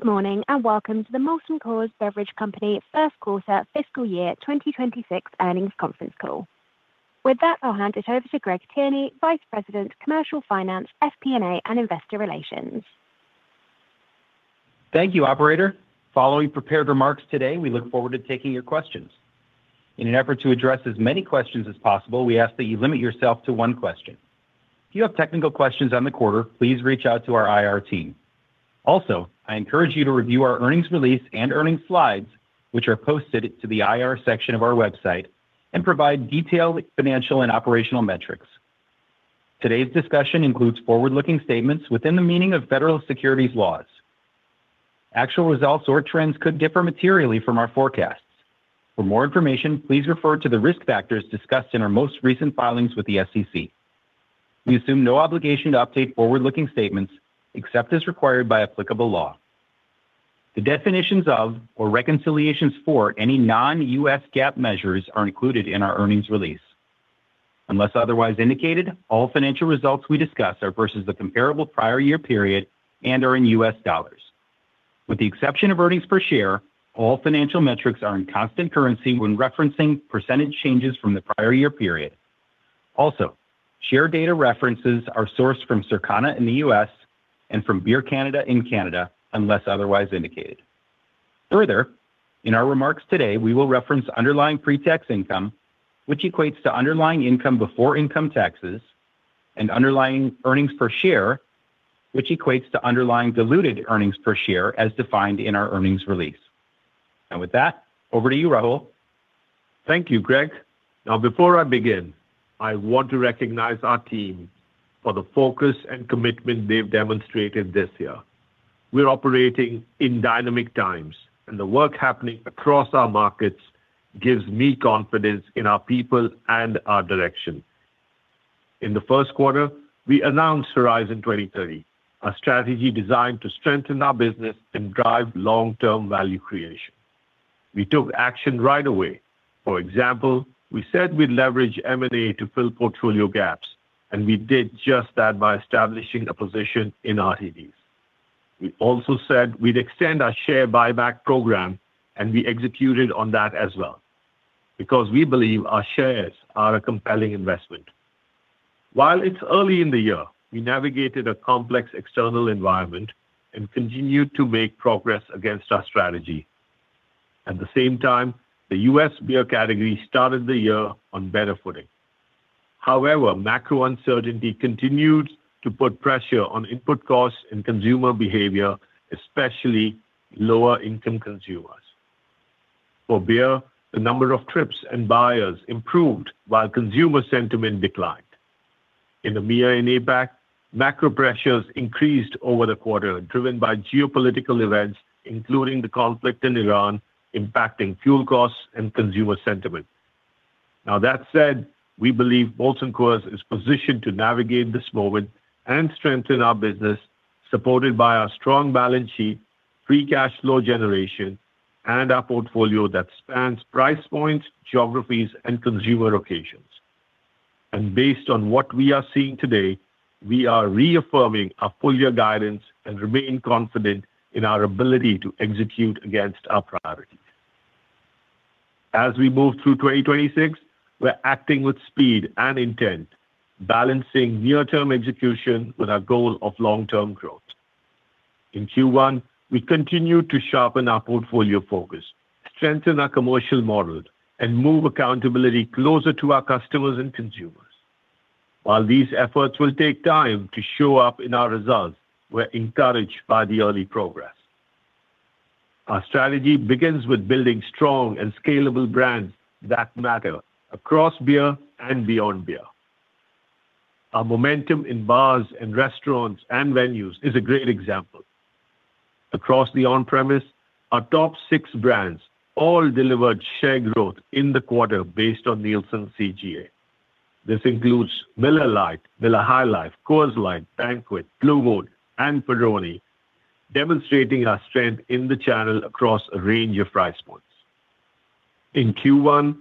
Good morning, welcome to the Molson Coors Beverage Company First Quarter Fiscal Year 2026 earnings conference call. With that, I'll hand it over to Greg Tierney, Vice President, Commercial Finance, FP&A, and Investor Relations. Thank you, operator. Following prepared remarks today, we look forward to taking your questions. In an effort to address as many questions as possible, we ask that you limit yourself to one question. If you have technical questions on the quarter, please reach out to our IR team. Also, I encourage you to review our earnings release and earnings slides, which are posted to the IR section of our website and provide detailed financial and operational metrics. Today's discussion includes forward-looking statements within the meaning of federal securities laws. Actual results or trends could differ materially from our forecasts. For more information, please refer to the risk factors discussed in our most recent filings with the SEC. We assume no obligation to update forward-looking statements except as required by applicable law. The definitions of or reconciliations for any non-U.S. GAAP measures are included in our earnings release. Unless otherwise indicated, all financial results we discuss are versus the comparable prior year period and are in U.S. dollars. With the exception of earnings per share, all financial metrics are in constant currency when referencing percentage changes from the prior year period. Also, share data references are sourced from Circana in the U.S. and from Beer Canada in Canada, unless otherwise indicated. Further, in our remarks today, we will reference underlying pre-tax income, which equates to underlying income before income taxes and underlying earnings per share, which equates to underlying diluted earnings per share as defined in our earnings release. With that, over to you, Rahul. Thank you, Greg. Before I begin, I want to recognize our team for the focus and commitment they've demonstrated this year. We're operating in dynamic times, and the work happening across our markets gives me confidence in our people and our direction. In the first quarter, we announced Horizon 2030, a strategy designed to strengthen our business and drive long-term value creation. We took action right away. For example, we said we'd leverage M&A to fill portfolio gaps, and we did just that by establishing a position in RTDs. We also said we'd extend our share buyback program, and we executed on that as well because we believe our shares are a compelling investment. While it's early in the year, we navigated a complex external environment and continued to make progress against our strategy. At the same time, the U.S. beer category started the year on better footing. However, macro uncertainty continued to put pressure on input costs and consumer behavior, especially lower-income consumers. For beer, the number of trips and buyers improved while consumer sentiment declined. In the EMEA and APAC, macro pressures increased over the quarter, driven by geopolitical events, including the conflict in Iran, impacting fuel costs and consumer sentiment. That said, we believe Molson Coors is positioned to navigate this moment and strengthen our business, supported by our strong balance sheet, free cash flow generation, and our portfolio that spans price points, geographies, and consumer locations. Based on what we are seeing today, we are reaffirming our full-year guidance and remain confident in our ability to execute against our priorities. As we move through 2026, we're acting with speed and intent, balancing near-term execution with our goal of long-term growth. In Q1, we continued to sharpen our portfolio focus, strengthen our commercial model, and move accountability closer to our customers and consumers. While these efforts will take time to show up in our results, we're encouraged by the early progress. Our strategy begins with building strong and scalable brands that matter across beer and beyond beer. Our momentum in bars and restaurants and venues is a great example. Across the on-premise, our top 6 brands all delivered share growth in the quarter based on Nielsen CGA. This includes Miller Lite, Miller High Life, Coors Light, Banquet, Blue Moon, and Peroni, demonstrating our strength in the channel across a range of price points. In Q1,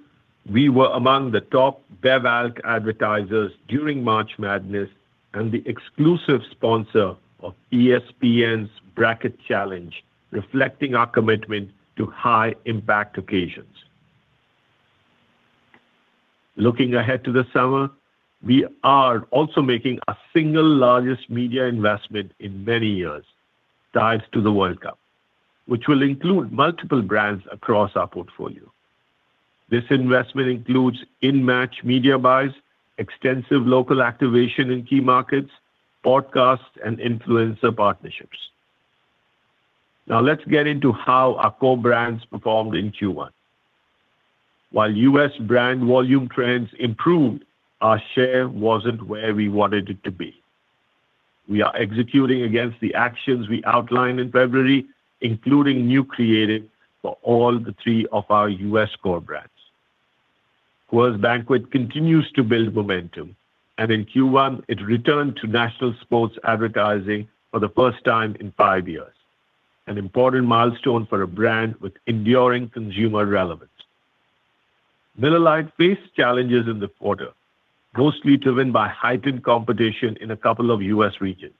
we were among the top BevAl advertisers during March Madness and the exclusive sponsor of ESPN's Bracket Challenge, reflecting our commitment to high-impact occasions. Looking ahead to the summer, we are also making a single largest media investment in many years, tied to the World Cup, which will include multiple brands across our portfolio. This investment includes in-match media buys, extensive local activation in key markets, podcasts, and influencer partnerships. Let's get into how our core brands performed in Q1. While U.S. brand volume trends improved, our share wasn't where we wanted it to be. We are executing against the actions we outlined in February, including new creative for all the three of our U.S. core brands. Coors Banquet continues to build momentum, and in Q1, it returned to national sports advertising for the first time in five years, an important milestone for a brand with enduring consumer relevance. Miller Lite faced challenges in the quarter, mostly driven by heightened competition in a couple of U.S. regions.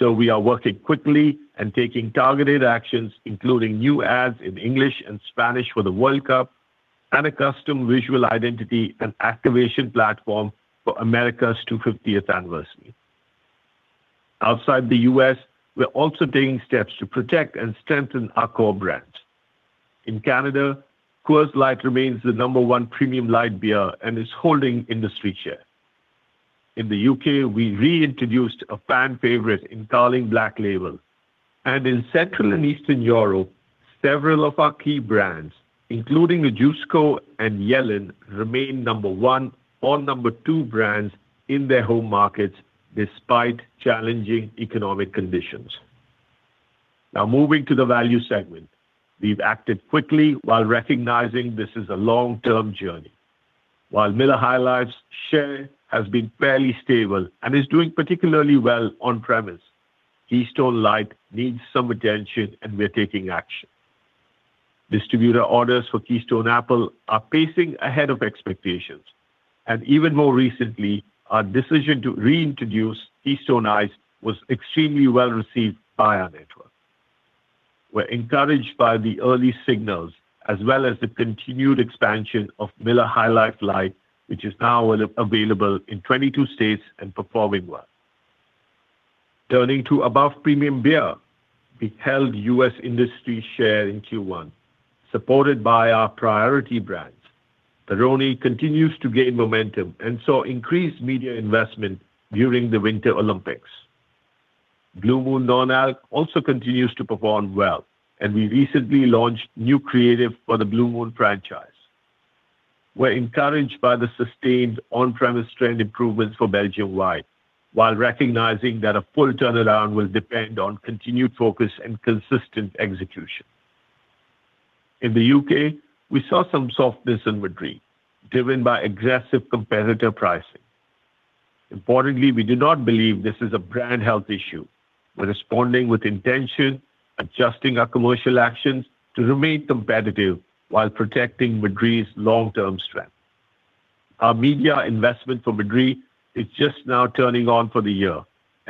We are working quickly and taking targeted actions, including new ads in English and Spanish for the World Cup and a custom visual identity and activation platform for America's 250th anniversary. Outside the U.S., we're also taking steps to protect and strengthen our core brands. In Canada, Coors Light remains the number one premium light beer and is holding industry share. In the U.K., we reintroduced a fan favorite in Carling Black Label. In Central and Eastern Europe, several of our key brands, including Ožujsko and Jelen, remain number one or number two brands in their home markets despite challenging economic conditions. Moving to the value segment. We've acted quickly while recognizing this is a long-term journey. While Miller High Life's share has been fairly stable and is doing particularly well on-premise, Keystone Light needs some attention, and we're taking action. Distributor orders for Keystone Apple are pacing ahead of expectations. Even more recently, our decision to reintroduce Keystone Ice was extremely well-received by our network. We're encouraged by the early signals as well as the continued expansion of Miller High Life Light, which is now available in 22 states and performing well. Turning to above-premium beer. We held U.S. industry share in Q1, supported by our priority brands. Peroni continues to gain momentum and saw increased media investment during the Winter Olympics. Blue Moon Non-Alc also continues to perform well, and we recently launched new creative for the Blue Moon franchise. We're encouraged by the sustained on-premise trend improvements for Belgian White while recognizing that a full turnaround will depend on continued focus and consistent execution. In the U.K., we saw some softness in Madrí driven by aggressive competitor pricing. Importantly, we do not believe this is a brand health issue. We're responding with intention, adjusting our commercial actions to remain competitive while protecting Madrí's long-term strength. Our media investment for Madrí is just now turning on for the year.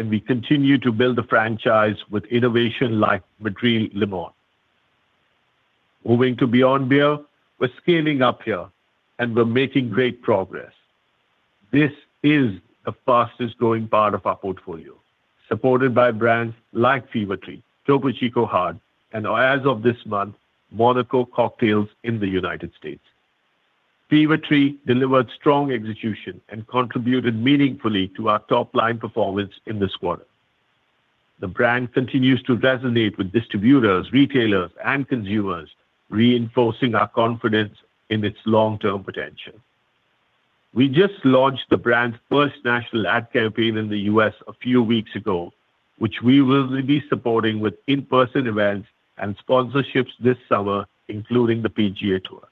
We continue to build the franchise with innovation like Madrí Limón. Moving to Beyond Beer, we're scaling up here. We're making great progress. This is the fastest-growing part of our portfolio, supported by brands like Fever-Tree, Topo Chico Hard, and as of this month, Monaco Cocktails in the U.S. Fever-Tree delivered strong execution and contributed meaningfully to our top-line performance in this quarter. The brand continues to resonate with distributors, retailers, and consumers, reinforcing our confidence in its long-term potential. We just launched the brand's first national ad campaign in the U.S. a few weeks ago, which we will be supporting with in-person events and sponsorships this summer, including the PGA Tour.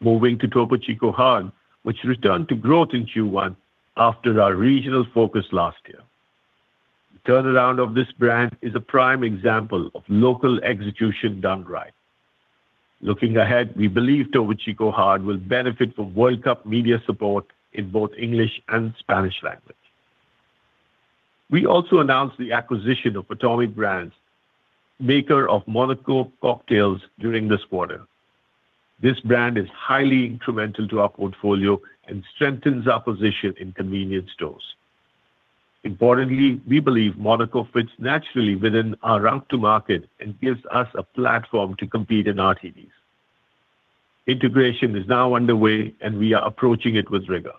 Moving to Topo Chico Hard, which returned to growth in Q1 after our regional focus last year. The turnaround of this brand is a prime example of local execution done right. Looking ahead, we believe Topo Chico Hard will benefit from World Cup media support in both English and Spanish language. We also announced the acquisition of Atomic Brands, maker of Monaco Cocktails, during this quarter. This brand is highly incremental to our portfolio and strengthens our position in convenience stores. Importantly, we believe Monaco fits naturally within our route to market and gives us a platform to compete in RTDs. Integration is now underway, and we are approaching it with rigor.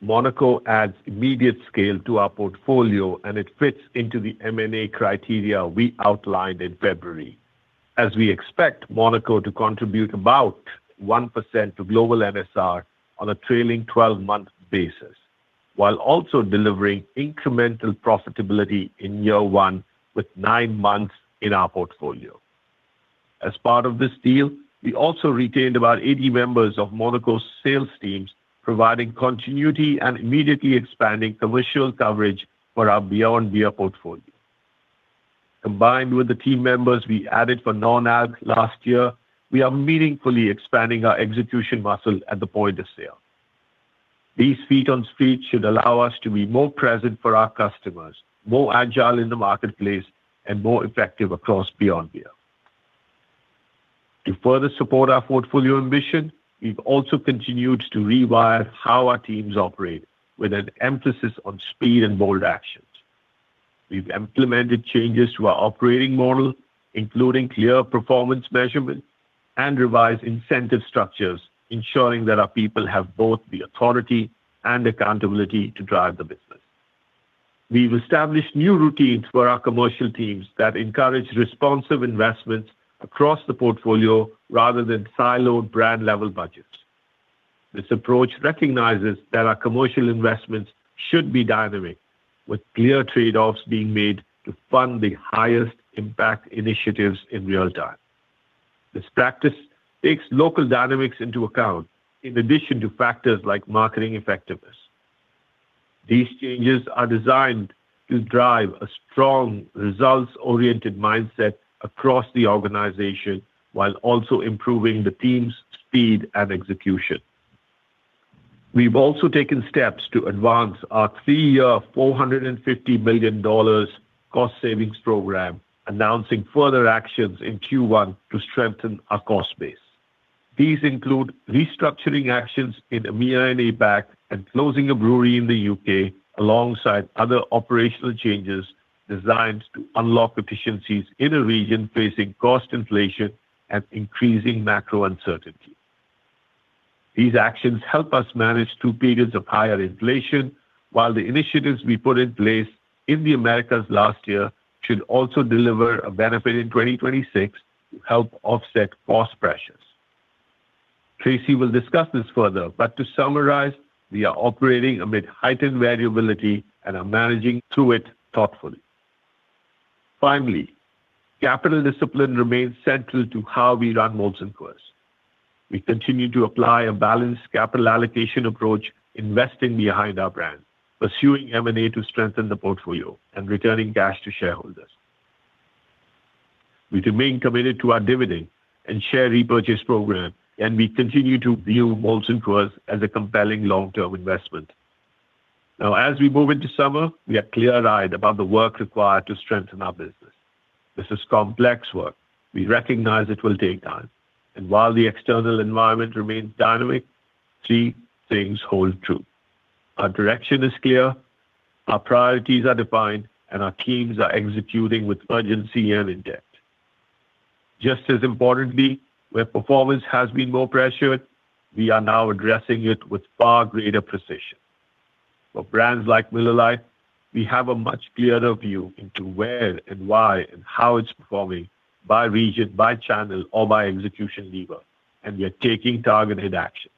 Monaco adds immediate scale to our portfolio, and it fits into the M&A criteria we outlined in February, as we expect Monaco to contribute about 1% to global NSR on a trailing 12-month basis, while also delivering incremental profitability in year one with 9 months in our portfolio. As part of this deal, we also retained about 80 members of Monaco's sales teams, providing continuity and immediately expanding commercial coverage for our Beyond Beer portfolio. Combined with the team members we added for Non-Alc last year, we are meaningfully expanding our execution muscle at the point of sale. These feet on street should allow us to be more present for our customers, more agile in the marketplace, and more effective across Beyond Beer. To further support our portfolio ambition, we've also continued to rewire how our teams operate with an emphasis on speed and bold actions. We've implemented changes to our operating model, including clear performance measurement and revised incentive structures, ensuring that our people have both the authority and accountability to drive the business. We've established new routines for our commercial teams that encourage responsive investments across the portfolio rather than siloed brand-level budgets. This approach recognizes that our commercial investments should be dynamic, with clear trade-offs being made to fund the highest impact initiatives in real time. This practice takes local dynamics into account in addition to factors like marketing effectiveness. These changes are designed to drive a strong results-oriented mindset across the organization while also improving the team's speed and execution. We've also taken steps to advance our three-year, $450 million cost savings program, announcing further actions in Q1 to strengthen our cost base. These include restructuring actions in EMEA and APAC and closing a brewery in the U.K. alongside other operational changes designed to unlock efficiencies in a region facing cost inflation and increasing macro uncertainty. These actions help us manage two periods of higher inflation, while the initiatives we put in place in the Americas last year should also deliver a benefit in 2026 to help offset cost pressures. Tracey will discuss this further, but to summarize, we are operating amid heightened variability and are managing through it thoughtfully. Finally, capital discipline remains central to how we run Molson Coors. We continue to apply a balanced capital allocation approach, investing behind our brands, pursuing M&A to strengthen the portfolio, and returning cash to shareholders. We remain committed to our dividend and share repurchase program, and we continue to view Molson Coors as a compelling long-term investment. Now as we move into summer, we are clear-eyed about the work required to strengthen our business. This is complex work. We recognize it will take time, and while the external environment remains dynamic, three things hold true. Our direction is clear, our priorities are defined, and our teams are executing with urgency and in depth. Just as importantly, where performance has been more pressured, we are now addressing it with far greater precision. For brands like Miller Lite, we have a much clearer view into where and why and how it's performing by region, by channel or by execution lever, and we are taking targeted actions.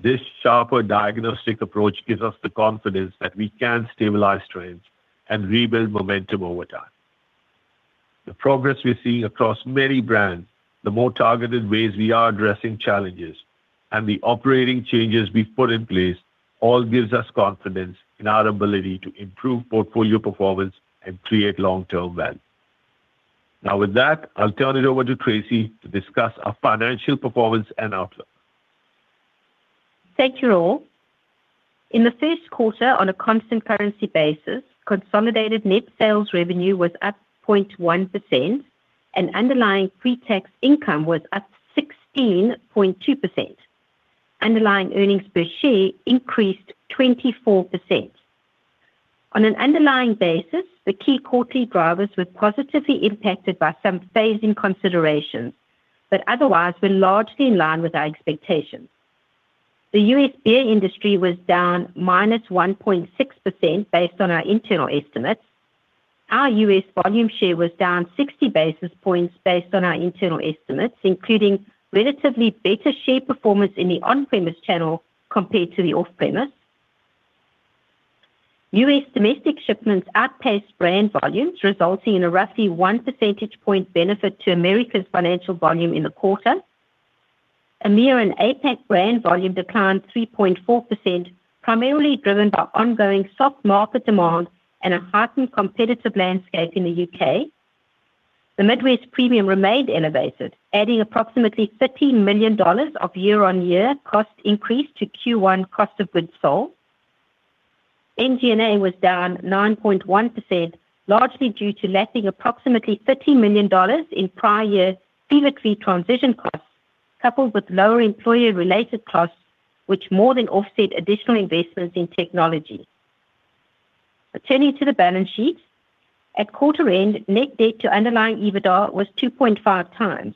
This sharper diagnostic approach gives us the confidence that we can stabilize trends and rebuild momentum over time. The progress we're seeing across many brands, the more targeted ways we are addressing challenges, and the operating changes we've put in place all gives us confidence in our ability to improve portfolio performance and create long-term value. Now, with that, I'll turn it over to Tracey to discuss our financial performance and outlook. Thank you, Rahul. In the first quarter, on a constant currency basis, consolidated net sales revenue was up 0.1% and underlying pre-tax income was up 16.2%. Underlying earnings per share increased 24%. On an underlying basis, the key quarterly drivers were positively impacted by some phasing considerations, but otherwise were largely in line with our expectations. The U.S. beer industry was down -1.6% based on our internal estimates. Our U.S. volume share was down 60 basis points based on our internal estimates, including relatively better share performance in the on-premise channel compared to the off-premise. U.S. domestic shipments outpaced brand volumes, resulting in a roughly 1 percentage point benefit to America's financial volume in the quarter. EMEA & APAC brand volume declined 3.4%, primarily driven by ongoing soft market demand and a heightened competitive landscape in the U.K. The Midwest premium remained elevated, adding approximately $13 million of year-on-year cost increase to Q1 cost of goods sold. MG&A was down 9.1%, largely due to lacking approximately $13 million in prior year Fever-Tree transition costs, coupled with lower employee-related costs, which more than offset additional investments in technology. Turning to the balance sheet. At quarter end, net debt to underlying EBITDA was 2.5x.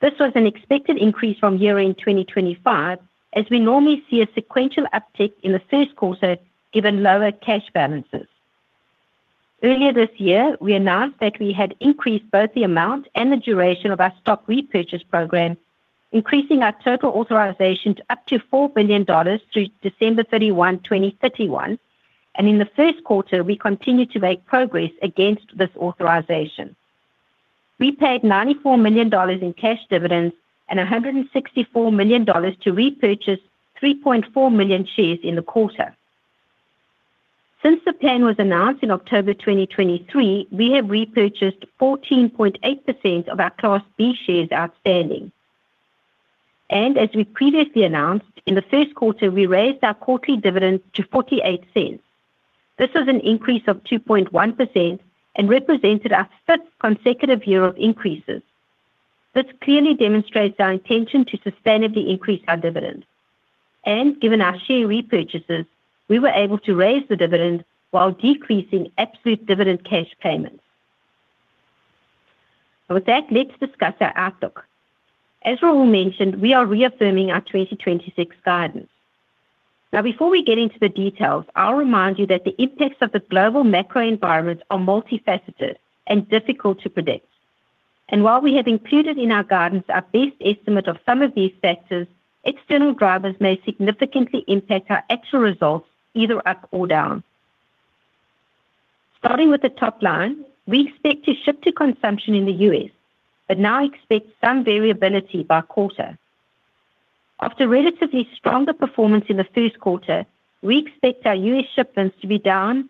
This was an expected increase from year-end 2025, as we normally see a sequential uptick in the first quarter, given lower cash balances. Earlier this year, we announced that we had increased both the amount and the duration of our stock repurchase program, increasing our total authorization to up to $4 billion through December 31, 2031. In the first quarter, we continued to make progress against this authorization. We paid $94 million in cash dividends and $164 million to repurchase 3.4 million shares in the quarter. Since the plan was announced in October 2023, we have repurchased 14.8% of our Class B shares outstanding. As we previously announced, in the first quarter, we raised our quarterly dividend to $0.48. This was an increase of 2.1% and represented our fifth consecutive year of increases. This clearly demonstrates our intention to sustainably increase our dividend. Given our share repurchases, we were able to raise the dividend while decreasing absolute dividend cash payments. With that, let's discuss our outlook. As Rahul mentioned, we are reaffirming our 2026 guidance. Now, before we get into the details, I'll remind you that the impacts of the global macro environment are multifaceted and difficult to predict. While we have included in our guidance our best estimate of some of these factors, external drivers may significantly impact our actual results either up or down. Starting with the top line, we expect to ship to consumption in the U.S., but now expect some variability by quarter. After relatively stronger performance in the first quarter, we expect our U.S. shipments to be down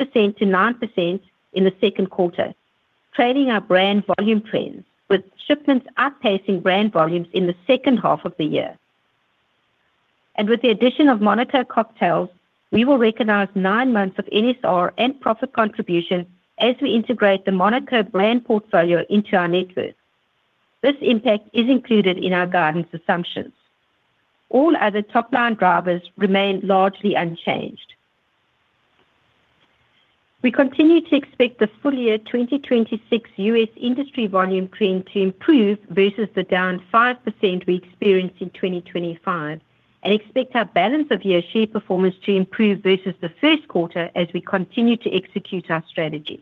6%-9% in the second quarter, trailing our brand volume trends, with shipments outpacing brand volumes in the second half of the year. With the addition of Monaco Cocktails, we will recognize nine months of NSR and profit contribution as we integrate the Monaco brand portfolio into our network. This impact is included in our guidance assumptions. All other top-line drivers remain largely unchanged. We continue to expect the full year 2026 U.S. industry volume trend to improve versus the down 5% we experienced in 2025 and expect our balance of year share performance to improve versus the first quarter as we continue to execute our strategy.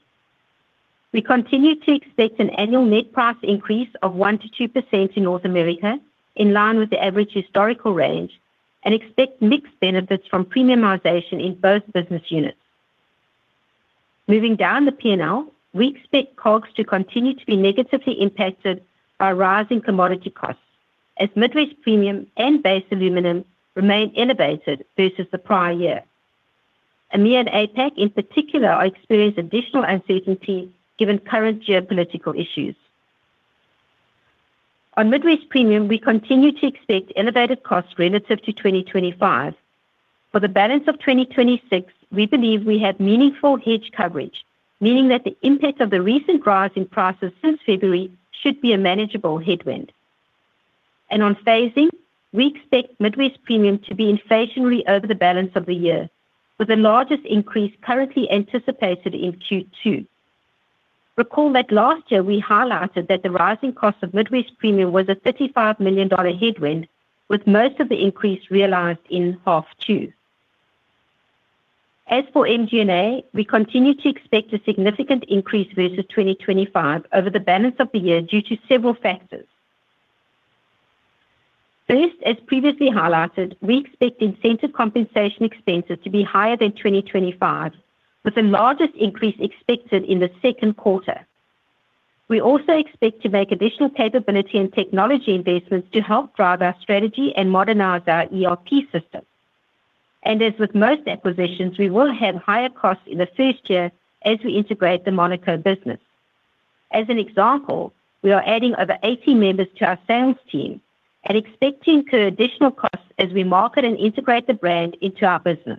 We continue to expect an annual net price increase of 1%-2% in North America, in line with the average historical range, and expect mixed benefits from premiumization in both business units. Moving down the P&L, we expect COGS to continue to be negatively impacted by rising commodity costs as Midwest Premium and base aluminum remain elevated versus the prior year. EMEA & APAC in particular are experienced additional uncertainty given current geopolitical issues. On Midwest Premium, we continue to expect elevated costs relative to 2025. For the balance of 2026, we believe we have meaningful hedge coverage, meaning that the impact of the recent rise in prices since February should be a manageable headwind. On phasing, we expect Midwest Premium to be inflationarily over the balance of the year, with the largest increase currently anticipated in Q2. Recall that last year we highlighted that the rising cost of Midwest Premium was a $35 million headwind, with most of the increase realized in half two. As for MG&A, we continue to expect a significant increase versus 2025 over the balance of the year due to several factors. First, as previously highlighted, we expect incentive compensation expenses to be higher than 2025, with the largest increase expected in the second quarter. We also expect to make additional capability and technology investments to help drive our strategy and modernize our ERP system. As with most acquisitions, we will have higher costs in the first year as we integrate the Monaco business. As an example, we are adding over 80 members to our sales team and expecting to incur additional costs as we market and integrate the brand into our business.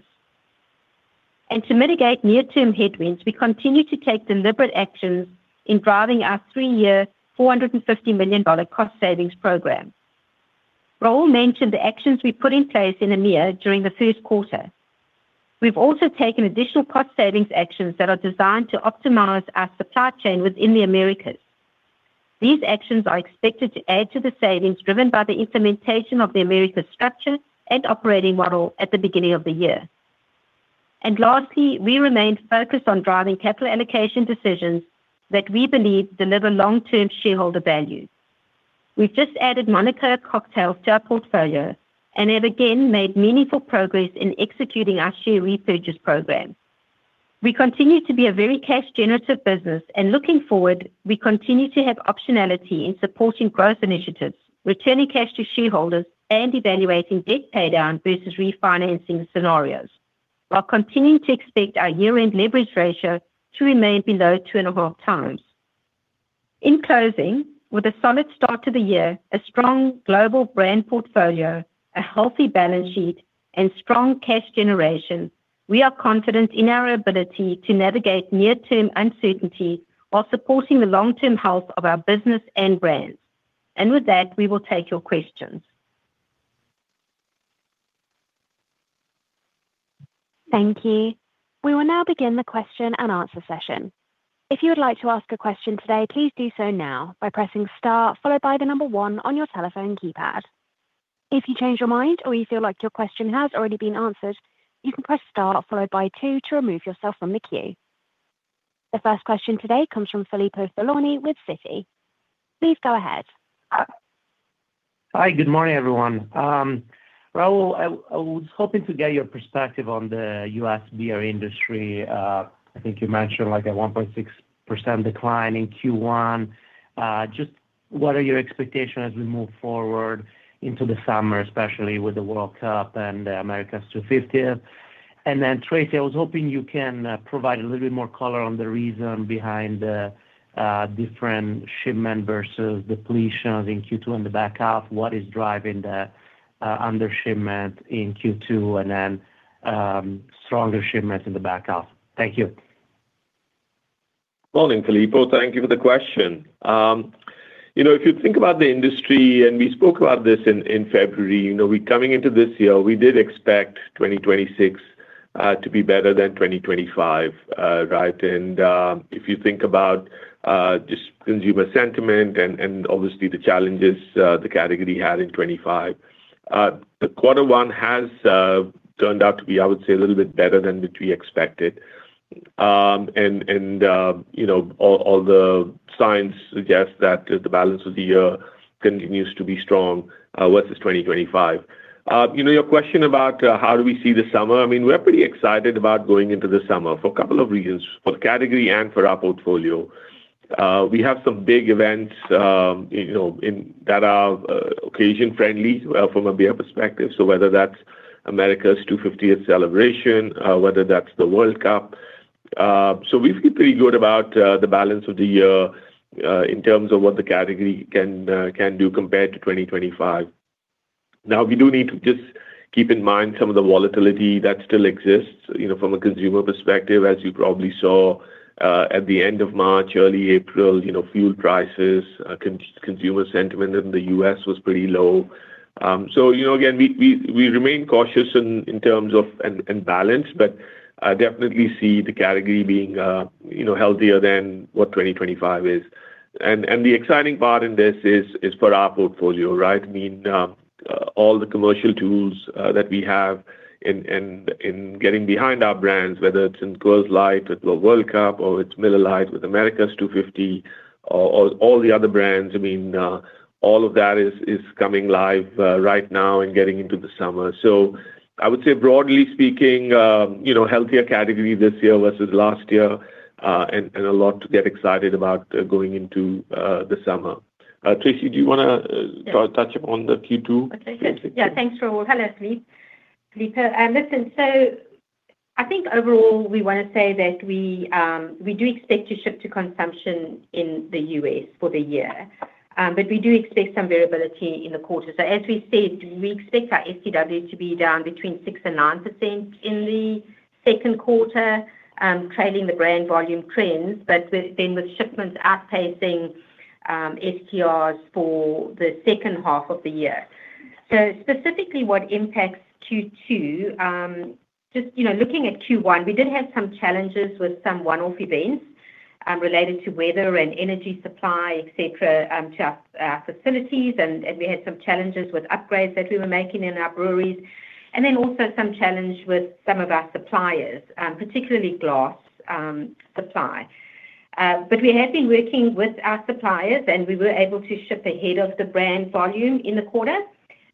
To mitigate near-term headwinds, we continue to take deliberate actions in driving our three-year $450 million cost savings program. Rahul mentioned the actions we put in place in EMEA during the first quarter. We've also taken additional cost savings actions that are designed to optimize our supply chain within the Americas. These actions are expected to add to the savings driven by the implementation of the Americas structure and operating model at the beginning of the year. Lastly, we remain focused on driving capital allocation decisions that we believe deliver long-term shareholder value. We've just added Monaco Cocktails to our portfolio and have again made meaningful progress in executing our share repurchase program. We continue to be a very cash generative business and looking forward, we continue to have optionality in supporting growth initiatives, returning cash to shareholders, and evaluating debt paydown versus refinancing scenarios, while continuing to expect our year-end leverage ratio to remain below two and a half times. In closing, with a solid start to the year, a strong global brand portfolio, a healthy balance sheet, and strong cash generation, we are confident in our ability to navigate near-term uncertainty while supporting the long-term health of our business and brands. With that, we will take your questions. Thank you. We will now begin the question and answer session. If you would like to ask a question today, please do so now by pressing star followed by one on your telephone keypad. If you change your mind or you feel like your question has already been answered, you can press star followed by two to remove yourself from the queue. The first question today comes from Filippo Falorni with Citi. Please go ahead. Hi. Good morning, everyone. Rahul, I was hoping to get your perspective on the U.S. beer industry. I think you mentioned like a 1.6% decline in Q1. Just what are your expectations as we move forward into the summer, especially with the World Cup and America's 250th? Then Tracey, I was hoping you can provide a little bit more color on the reason behind the different shipment versus depletion in Q2 in the back half. What is driving the under-shipment in Q2 and then stronger shipments in the back half? Thank you. Morning, Filippo. Thank you for the question. you know, if you think about the industry, we spoke about this in February, you know, coming into this year, we did expect 2026 to be better than 2025, right? If you think about just consumer sentiment and obviously the challenges the category had in 2025, the quarter one has turned out to be, I would say, a little bit better than what we expected. you know, all the signs suggest that the balance of the year continues to be strong versus 2025. You know, your question about how do we see the summer, I mean, we're pretty excited about going into the summer for a couple of reasons, for the category and for our portfolio. We have some big events, you know, in that are occasion-friendly, well, from a beer perspective. Whether that's America's 250th celebration, whether that's the World Cup. We feel pretty good about the balance of the year, in terms of what the category can do compared to 2025. We do need to just keep in mind some of the volatility that still exists, you know, from a consumer perspective, as you probably saw at the end of March, early April. You know, fuel prices, consumer sentiment in the U.S. was pretty low. You know, again, we remain cautious in terms of and balance, but I definitely see the category being, you know, healthier than what 2025 is. The exciting part in this is for our portfolio, right? I mean, all the commercial tools that we have in getting behind our brands, whether it's in Coors Light with the World Cup or it's Miller Lite with America's 250 or all the other brands. I mean, all of that is coming live right now and getting into the summer. I would say broadly speaking, you know, healthier category this year versus last year, and a lot to get excited about going into the summer. Tracey, do you wanna. Yes ...touch upon the Q2? Okay. Yeah, thanks, Rahul. Hello, Filippo. Listen, I think overall, we wanna say that we do expect to ship to consumption in the U.S. for the year, but we do expect some variability in the quarter. As we said, we expect our STW to be down between 6% and 9% in the second quarter, trailing the brand volume trends, but then with shipments outpacing STRs for the second half of the year. Specifically what impacts Q2, just, you know, looking at Q1, we did have some challenges with some one-off events, related to weather and energy supply, et cetera, to our facilities. We had some challenges with upgrades that we were making in our breweries. Then also some challenge with some of our suppliers, particularly glass supply. We have been working with our suppliers, and we were able to ship ahead of the brand volume in the quarter.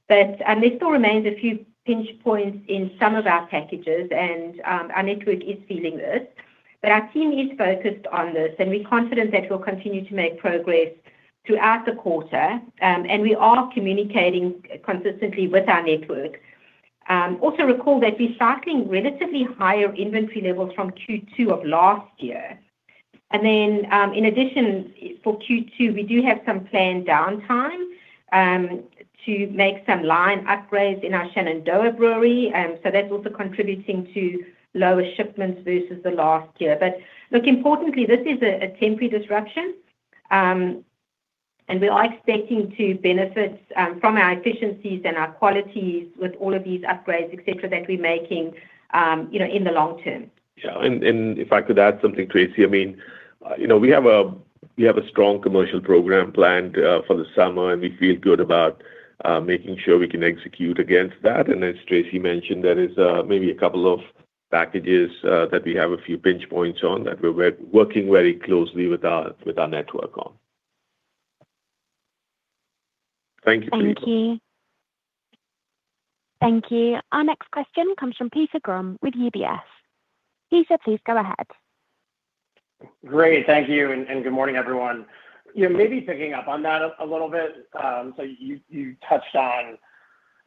There still remains a few pinch points in some of our packages, and our network is feeling this. Our team is focused on this, and we're confident that we'll continue to make progress throughout the quarter. We are communicating consistently with our network. Recall that we're cycling relatively higher inventory levels from Q2 of last year. In addition, for Q2, we do have some planned downtime to make some line upgrades in our Shenandoah Brewery. That's also contributing to lower shipments versus the last year. Look, importantly, this is a temporary disruption, and we are expecting to benefit from our efficiencies and our qualities with all of these upgrades et cetera, that we're making, you know, in the long term. Yeah. If I could add something, Tracey, I mean, you know, we have a strong commercial program planned for the summer. We feel good about making sure we can execute against that. As Tracey mentioned, there is maybe a couple of packages that we have a few pinch points on that we're working very closely with our network on. Thank you, Filippo. Thank you. Thank you. Our next question comes from Peter Grom with UBS. Peter, please go ahead. Great. Thank you. Good morning, everyone. Maybe picking up on that a little bit. You, you touched on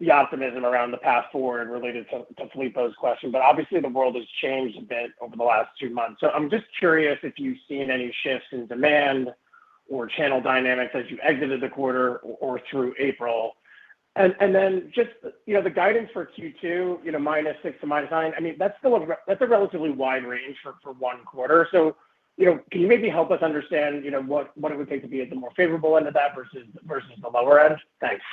the optimism around the path forward related to Filippo's question. Obviously the world has changed a bit over the last 2 months. I'm just curious if you've seen any shifts in demand or channel dynamics as you exited the quarter or through April. Then just, you know, the guidance for Q2, you know, -6% to -9%, I mean, that's still a relatively wide range for one quarter. Can you maybe help us understand, you know, what it would take to be at the more favorable end of that versus the lower end? Thanks.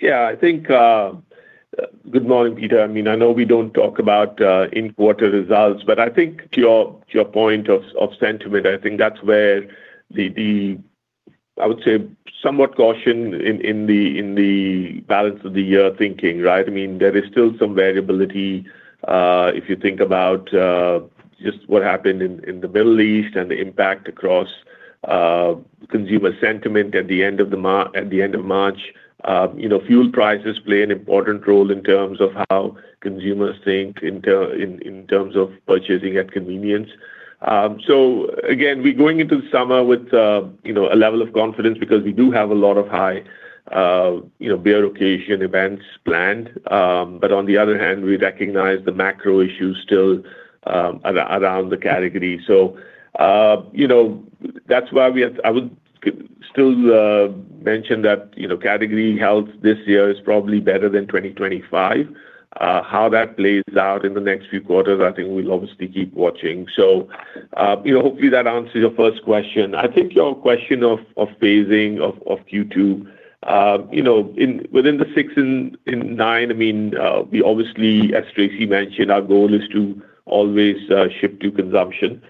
Yeah, I think, good morning, Peter. I know we don't talk about in-quarter results, but I think to your point of sentiment, I think that's where the I would say, somewhat caution in the balance of the year thinking, right? There is still some variability, if you think about just what happened in the Middle East and the impact across consumer sentiment at the end of March. You know, fuel prices play an important role in terms of how consumers think in terms of purchasing at convenience. Again, we're going into the summer with you know, a level of confidence because we do have a lot of high you know, beer occasion events planned. On the other hand, we recognize the macro issues still around the category. You know, I would still mention that, you know, category health this year is probably better than 2025. How that plays out in the next few quarters, I think we'll obviously keep watching. You know, hopefully that answers your first question. I think your question of phasing of Q2, you know, within the six and nine, I mean, we obviously, as Tracey mentioned, our goal is to always ship to consumption.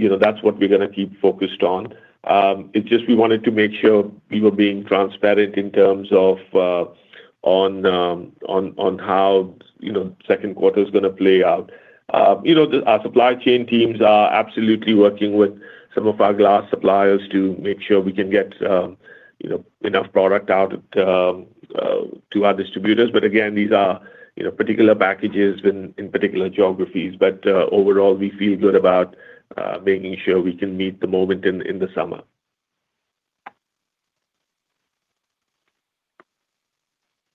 You know, that's what we're gonna keep focused on. It's just we wanted to make sure we were being transparent in terms of on how, you know, second quarter is gonna play out. You know, our supply chain teams are absolutely working with some of our glass suppliers to make sure we can get, You know, enough product out to our distributors. Again, these are, you know, particular packages in particular geographies. Overall, we feel good about making sure we can meet the moment in the summer.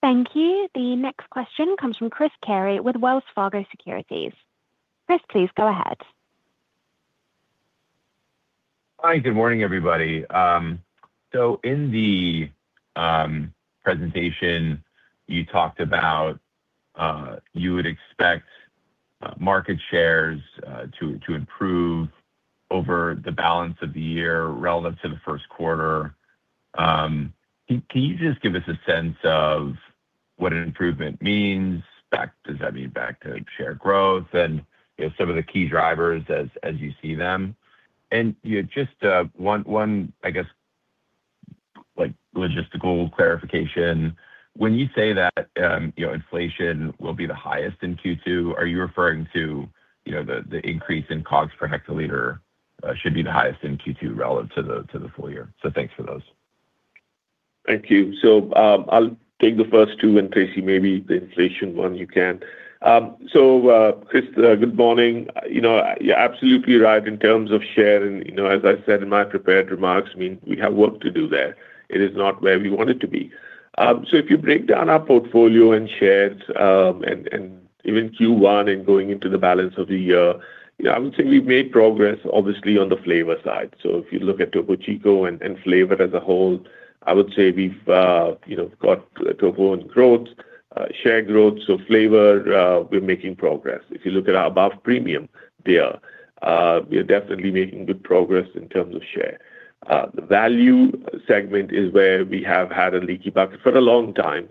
Thank you. The next question comes from Chris Carey with Wells Fargo Securities. Chris, please go ahead. Hi, good morning, everybody. In the presentation, you talked about you would expect market shares to improve over the balance of the year relative to the first quarter. Can you just give us a sense of what an improvement means? Does that mean back to share growth? You know, some of the key drivers as you see them. You know, just one, I guess, like, logistical clarification. When you say that, you know, inflation will be the highest in Q2, are you referring to, you know, the increase in COGS per hectoliter should be the highest in Q2 relative to the full year? Thanks for those. Thank you. I'll take the first two, and Tracey, maybe the inflation one you can. Chris Carey, good morning. You know, you're absolutely right in terms of share. You know, as I said in my prepared remarks, I mean, we have work to do there. It is not where we want it to be. If you break down our portfolio and shares, and even Q1 and going into the balance of the year, you know, I would say we've made progress, obviously, on the flavor side. If you look at Topo Chico and flavor as a whole, I would say we've, you know, got Topo on growth, share growth. Flavor, we're making progress. If you look at our above premium there, we are definitely making good progress in terms of share. The value segment is where we have had a leaky bucket for a long time,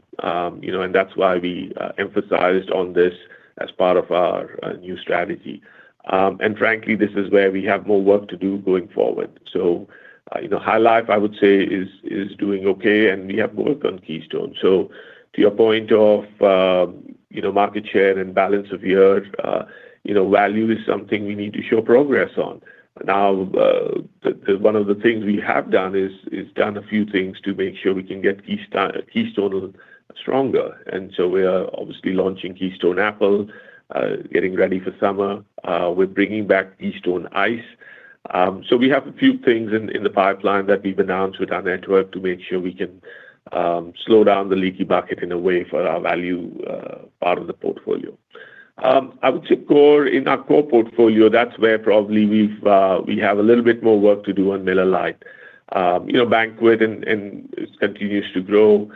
you know, that's why we emphasized on this as part of our new strategy. Frankly, this is where we have more work to do going forward. You know, High Life, I would say, is doing okay, we have to work on Keystone. To your point of, you know, market share balance of the year, you know, value is something we need to show progress on. One of the things we have done is done a few things to make sure we can get Keystone stronger. We are obviously launching Keystone Apple, getting ready for summer. We're bringing back Keystone Ice. We have a few things in the pipeline that we've announced with our network to make sure we can slow down the leaky bucket in a way for our value part of the portfolio. I would say in our core portfolio, that's where probably we've we have a little bit more work to do on Miller Lite. You know, Banquet and it continues to grow.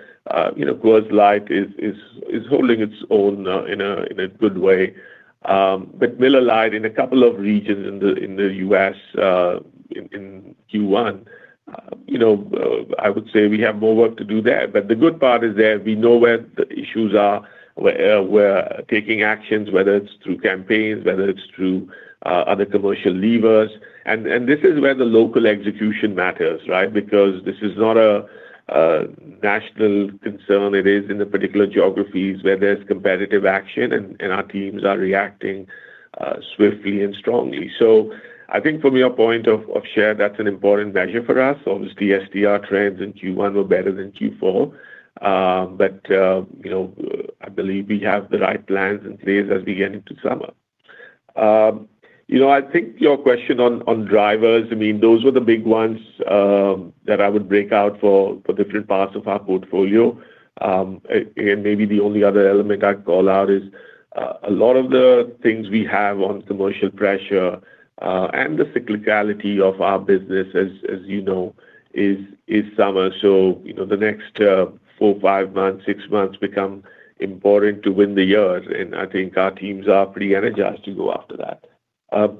You know, Coors Light is holding its own in a good way. Miller Lite in a couple of regions in the U.S. in Q1, you know, I would say we have more work to do there. The good part is that we know where the issues are. We're taking actions, whether it's through campaigns, whether it's through other commercial levers. This is where the local execution matters, right? Because this is not a national concern. It is in the particular geographies where there's competitive action, and our teams are reacting swiftly and strongly. I think from your point of share, that's an important measure for us. Obviously, STR trends in Q1 were better than Q4. You know, I believe we have the right plans in place as we get into summer. You know, I think your question on drivers, I mean, those were the big ones that I would break out for different parts of our portfolio. And maybe the only other element I'd call out is a lot of the things we have on commercial pressure, and the cyclicality of our business as you know, is summer. You know, the next four, five months, six months become important to win the year, and I think our teams are pretty energized to go after that.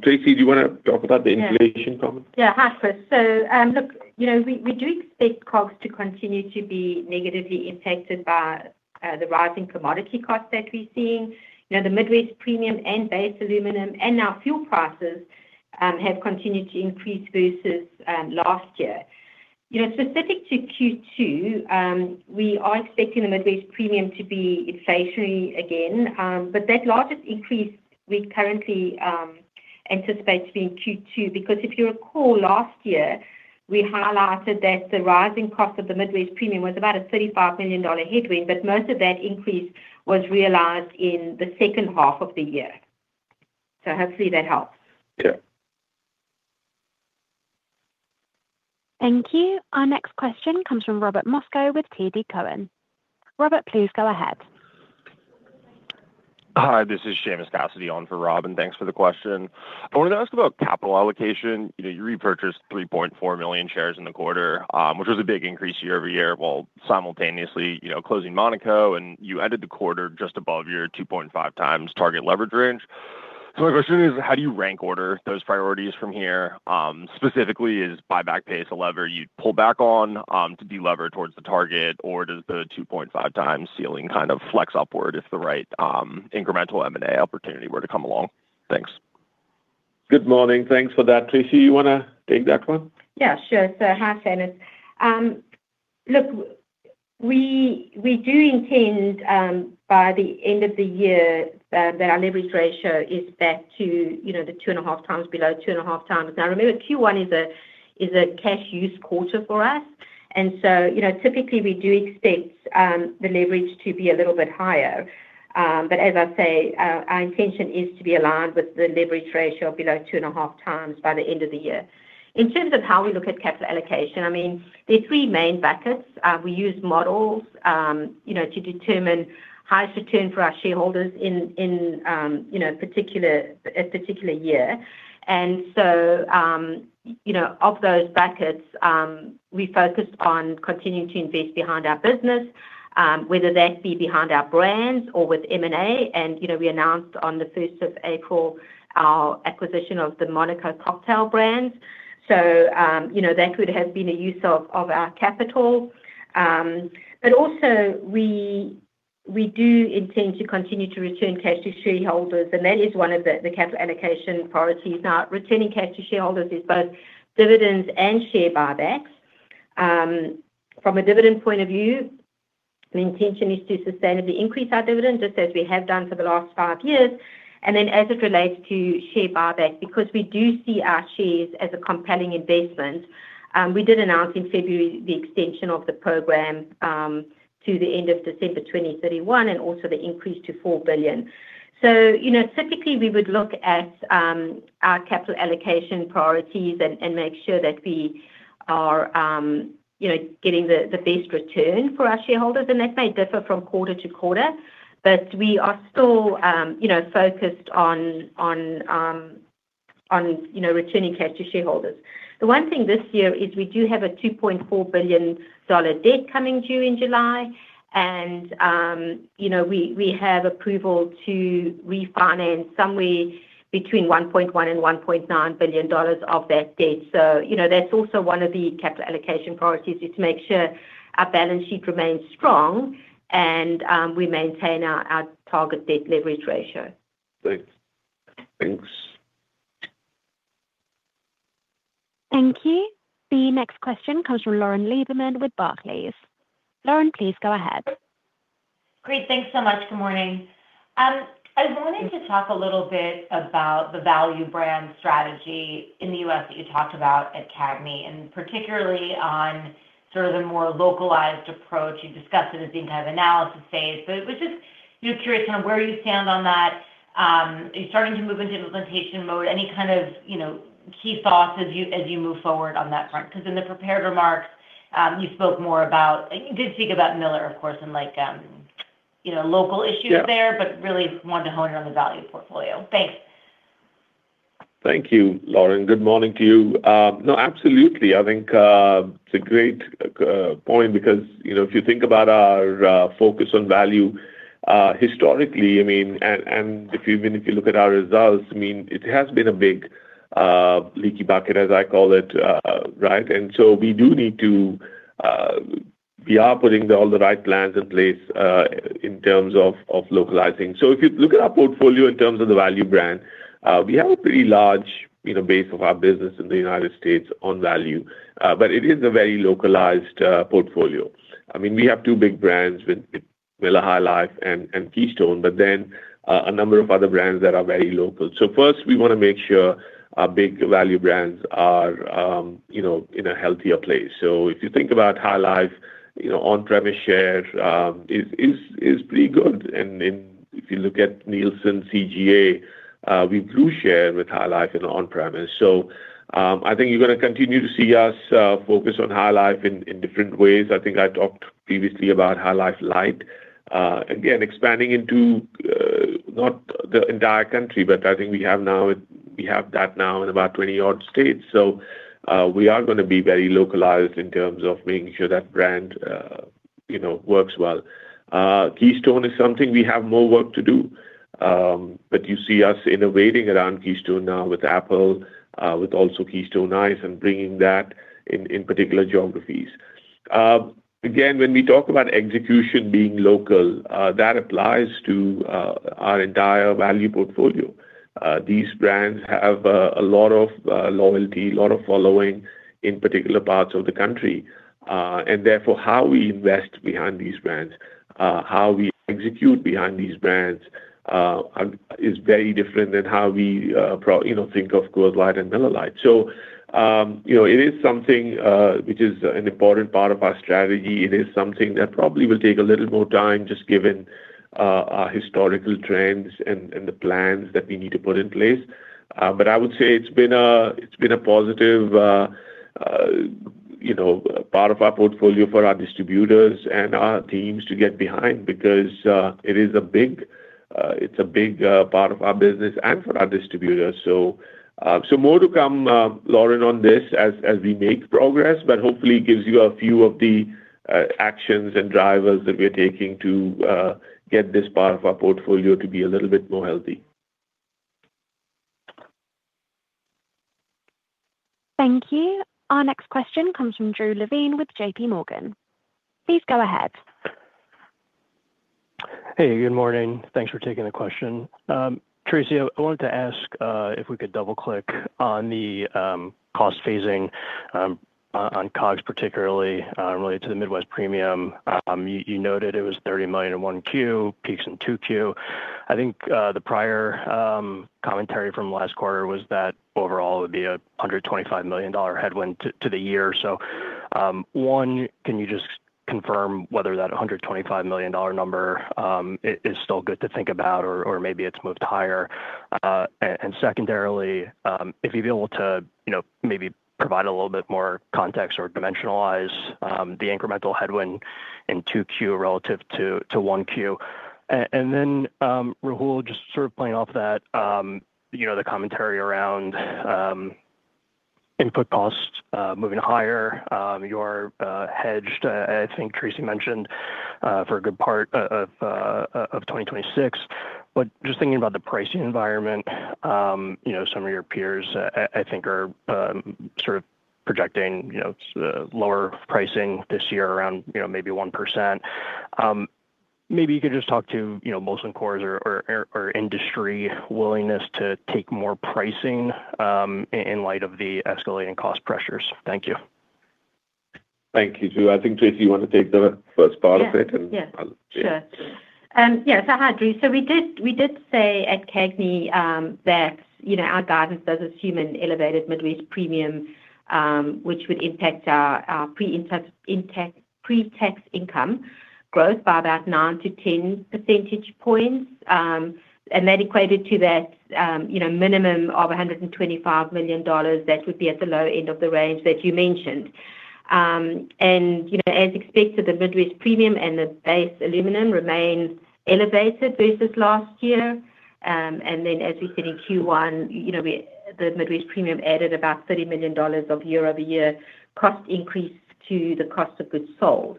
Tracey, do you wanna talk about the inflation comment? Yeah. Yeah. Hi, Chris. Look, you know, we do expect COGS to continue to be negatively impacted by the rising commodity costs that we're seeing. You know, the Midwest premium and base aluminum and our fuel prices have continued to increase versus last year. You know, specific to Q2, we are expecting the Midwest premium to be inflationary again. That largest increase we currently anticipate to be in Q2. If you recall last year, we highlighted that the rising cost of the Midwest premium was about a $35 million headwind, but most of that increase was realized in the second half of the year. Hopefully that helps. Yeah. Thank you. Our next question comes from Robert Moskow with TD Cowen. Robert, please go ahead. Hi, this is Seamus Cassidy on for Rob, thanks for the question. I wanted to ask about capital allocation. You know, you repurchased 3.4 million shares in the quarter, which was a big increase year-over-year, while simultaneously, you know, closing Monaco, and you ended the quarter just above your 2.5x target leverage range. My question is: how do you rank order those priorities from here? Specifically, is buyback pace a lever you pull back on to delever towards the target, or does the 2.5x ceiling kind of flex upward if the right incremental M&A opportunity were to come along? Thanks. Good morning. Thanks for that. Tracey, you wanna take that one? Yeah, sure. Hi, Seamus. We do intend by the end of the year that our leverage ratio is back to, you know, the 2.5x, below 2.5x. Remember, Q1 is a cash use quarter for us. You know, typically, we do expect the leverage to be a little bit higher. As I say, our intention is to be aligned with the leverage ratio of below 2.5x by the end of the year. In terms of how we look at capital allocation, I mean, there are 3 main buckets. We use models, you know, to determine highest return for our shareholders in, you know, a particular year. You know, of those buckets, we focus on continuing to invest behind our business, whether that be behind our brands or with M&A. You know, we announced on the first of April our acquisition of the Monaco Cocktails. You know, that could have been a use of our capital. But also we do intend to continue to return cash to shareholders, and that is one of the capital allocation priorities. Now, returning cash to shareholders is both dividends and share buybacks. From a dividend point of view, the intention is to sustainably increase our dividend, just as we have done for the last five years. As it relates to share buyback, because we do see our shares as a compelling investment, we did announce in February the extension of the program to the end of December 2031, and also the increase to $4 billion. Typically, you know, we would look at our capital allocation priorities and make sure that we are, you know, getting the best return for our shareholders. That may differ from quarter to quarter, but we are still, you know, focused on, you know, returning cash to shareholders. The one thing this year is we do have a $2.4 billion debt coming due in July. You know, we have approval to refinance somewhere between $1.1 billion-$1.9 billion of that debt. You know, that's also one of the capital allocation priorities, is to make sure our balance sheet remains strong and we maintain our target debt leverage ratio. Thanks. Thanks. Thank you. The next question comes from Lauren Lieberman with Barclays. Lauren, please go ahead. Great. Thanks so much. Good morning. I was wanting to talk a little bit about the value brand strategy in the U.S. that you talked about at CAGNY, and particularly on sort of the more localized approach. You discussed it as being kind of analysis phase. Was just, you know, curious kind of where you stand on that. Are you starting to move into implementation mode? Any kind of, you know, key thoughts as you, as you move forward on that front? Because in the prepared remarks, you spoke more about You did speak about Miller, of course, and, like, you know, local issues there. Yeah. Really wanted to hone in on the value portfolio. Thanks. Thank you, Lauren. Good morning to you. No, absolutely. I think it's a great point because, you know, if you think about our focus on value historically, I mean, if you look at our results, I mean, it has been a big leaky bucket, as I call it. Right? We do need to. We are putting all the right plans in place in terms of localizing. If you look at our portfolio in terms of the value brand, we have a pretty large, you know, base of our business in the U.S. on value. It is a very localized portfolio. I mean, we have two big brands with Miller High Life and Keystone, but then a number of other brands that are very local. First, we want to make sure our big value brands are, you know, in a healthier place. If you think about High Life, you know, on-premise share is pretty good. Then if you look at Nielsen CGA, we grew share with High Life in on-premise. I think you're gonna continue to see us focus on High Life in different ways. I think I talked previously about High Life Light again, expanding into not the entire country, but I think we have that now in about 20-odd states. We are gonna be very localized in terms of making sure that brand, you know, works well. Keystone is something we have more work to do. You see us innovating around Keystone now with Apple, with also Keystone Ice and bringing that in particular geographies. Again, when we talk about execution being local, that applies to our entire value portfolio. These brands have a lot of loyalty, a lot of following in particular parts of the country. Therefore, how we invest behind these brands, how we execute behind these brands, is very different than how we, you know, think of Coors Light and Miller Lite. You know, it is something which is an important part of our strategy. It is something that probably will take a little more time, just given our historical trends and the plans that we need to put in place. I would say it's been a positive, you know, part of our portfolio for our distributors and our teams to get behind because it is a big, it's a big part of our business and for our distributors. More to come, Lauren, on this as we make progress, but hopefully gives you a few of the actions and drivers that we're taking to get this part of our portfolio to be a little bit more healthy. Thank you. Our next question comes from Drew Levine with JPMorgan. Please go ahead. Hey, good morning. Thanks for taking the question. Tracey, I wanted to ask if we could double-click on the cost phasing on COGS particularly related to the Midwest Premium. You noted it was $30 million in 1Q, peaks in 2Q. I think the prior commentary from last quarter was that overall it would be a $125 million headwind to the year. One, can you just confirm whether that $125 million number is still good to think about or maybe it's moved higher? Secondarily, if you'd be able to, you know, maybe provide a little bit more context or dimensionalize the incremental headwind in 2Q relative to 1Q. Rahul, just sort of playing off that, you know, the commentary around input costs moving higher, you are hedged, I think Tracey mentioned, for a good part of 2026. Just thinking about the pricing environment, you know, some of your peers, I think are sort of projecting lower pricing this year around maybe 1%. Maybe you could just talk to Molson Coors or industry willingness to take more pricing in light of the escalating cost pressures. Thank you. Thank you, Drew. I think, Tracey, you wanna take the first part of it. Sure. Yeah. Hi, Drew. We did say at CAGNY that, you know, our guidance does assume an elevated Midwest premium, which would impact our pre-tax income growth by about 9-10 percentage points. And that equated to that, you know, minimum of $125 million that would be at the low end of the range that you mentioned. And, you know, as expected, the Midwest premium and the base aluminum remained elevated versus last year. And then as we said in Q1, you know, the Midwest premium added about $30 million of year-over-year cost increase to the cost of goods sold.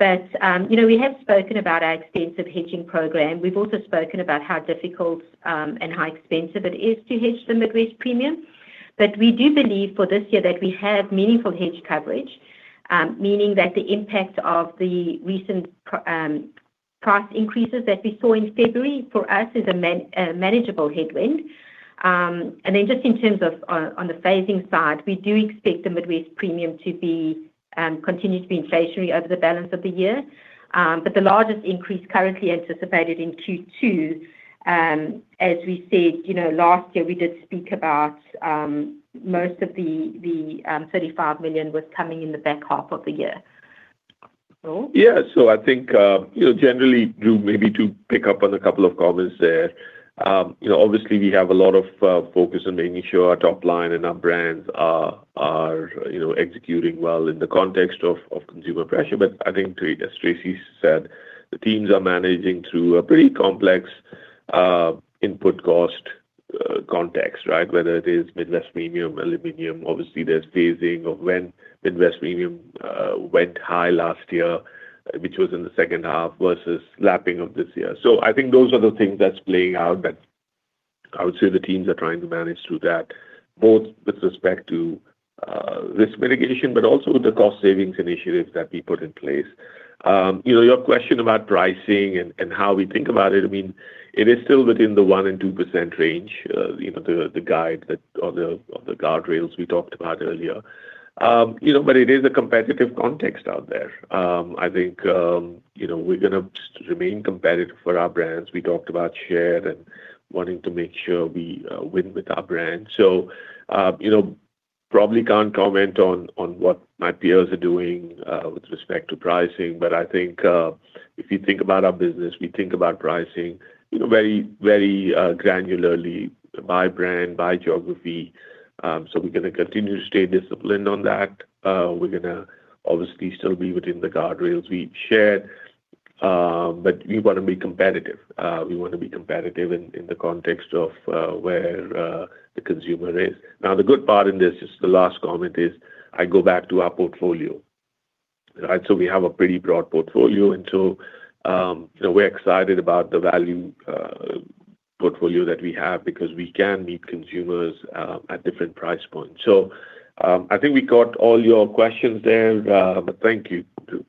You know, we have spoken about our extensive hedging program. We've also spoken about how difficult and how expensive it is to hedge the Midwest premium. We do believe for this year that we have meaningful hedge coverage, meaning that the impact of the recent price increases that we saw in February for us is a manageable headwind. Just in terms of on the phasing side, we do expect the Midwest Premium to be continue to be inflationary over the balance of the year. The largest increase currently anticipated in Q2, as we said, you know, last year, we did speak about, most of the $35 million was coming in the back half of the year. Rahul? Yeah. I think, you know, generally, Drew, maybe to pick up on a couple of comments there, you know, obviously, we have a lot of focus on making sure our top line and our brands are, you know, executing well in the context of consumer pressure. I think as Tracey said, the teams are managing through a pretty complex input cost context, right? Whether it is Midwest Premium, aluminum, obviously there's phasing of when Midwest Premium went high last year, which was in the second half versus lapping of this year. I think those are the things that's playing out that I would say the teams are trying to manage through that, both with respect to risk mitigation, but also the cost savings initiatives that we put in place. You know, your question about pricing and how we think about it, I mean, it is still within the 1% and 2% range, you know, the guide that or the, or the guardrails we talked about earlier. You know, but it is a competitive context out there. I think, you know, we're gonna just remain competitive for our brands. We talked about share and wanting to make sure we win with our brands. You know, probably can't comment on what my peers are doing with respect to pricing. I think, if you think about our business, we think about pricing, you know, very, very granularly by brand, by geography. We're gonna continue to stay disciplined on that. We're gonna obviously still be within the guardrails we've shared, but we wanna be competitive. We wanna be competitive in the context of where the consumer is. The good part in this, just the last comment is, I go back to our portfolio, right? We have a pretty broad portfolio and so, you know, we're excited about the value portfolio that we have because we can meet consumers at different price points. I think we got all your questions there. Thank you, Drew.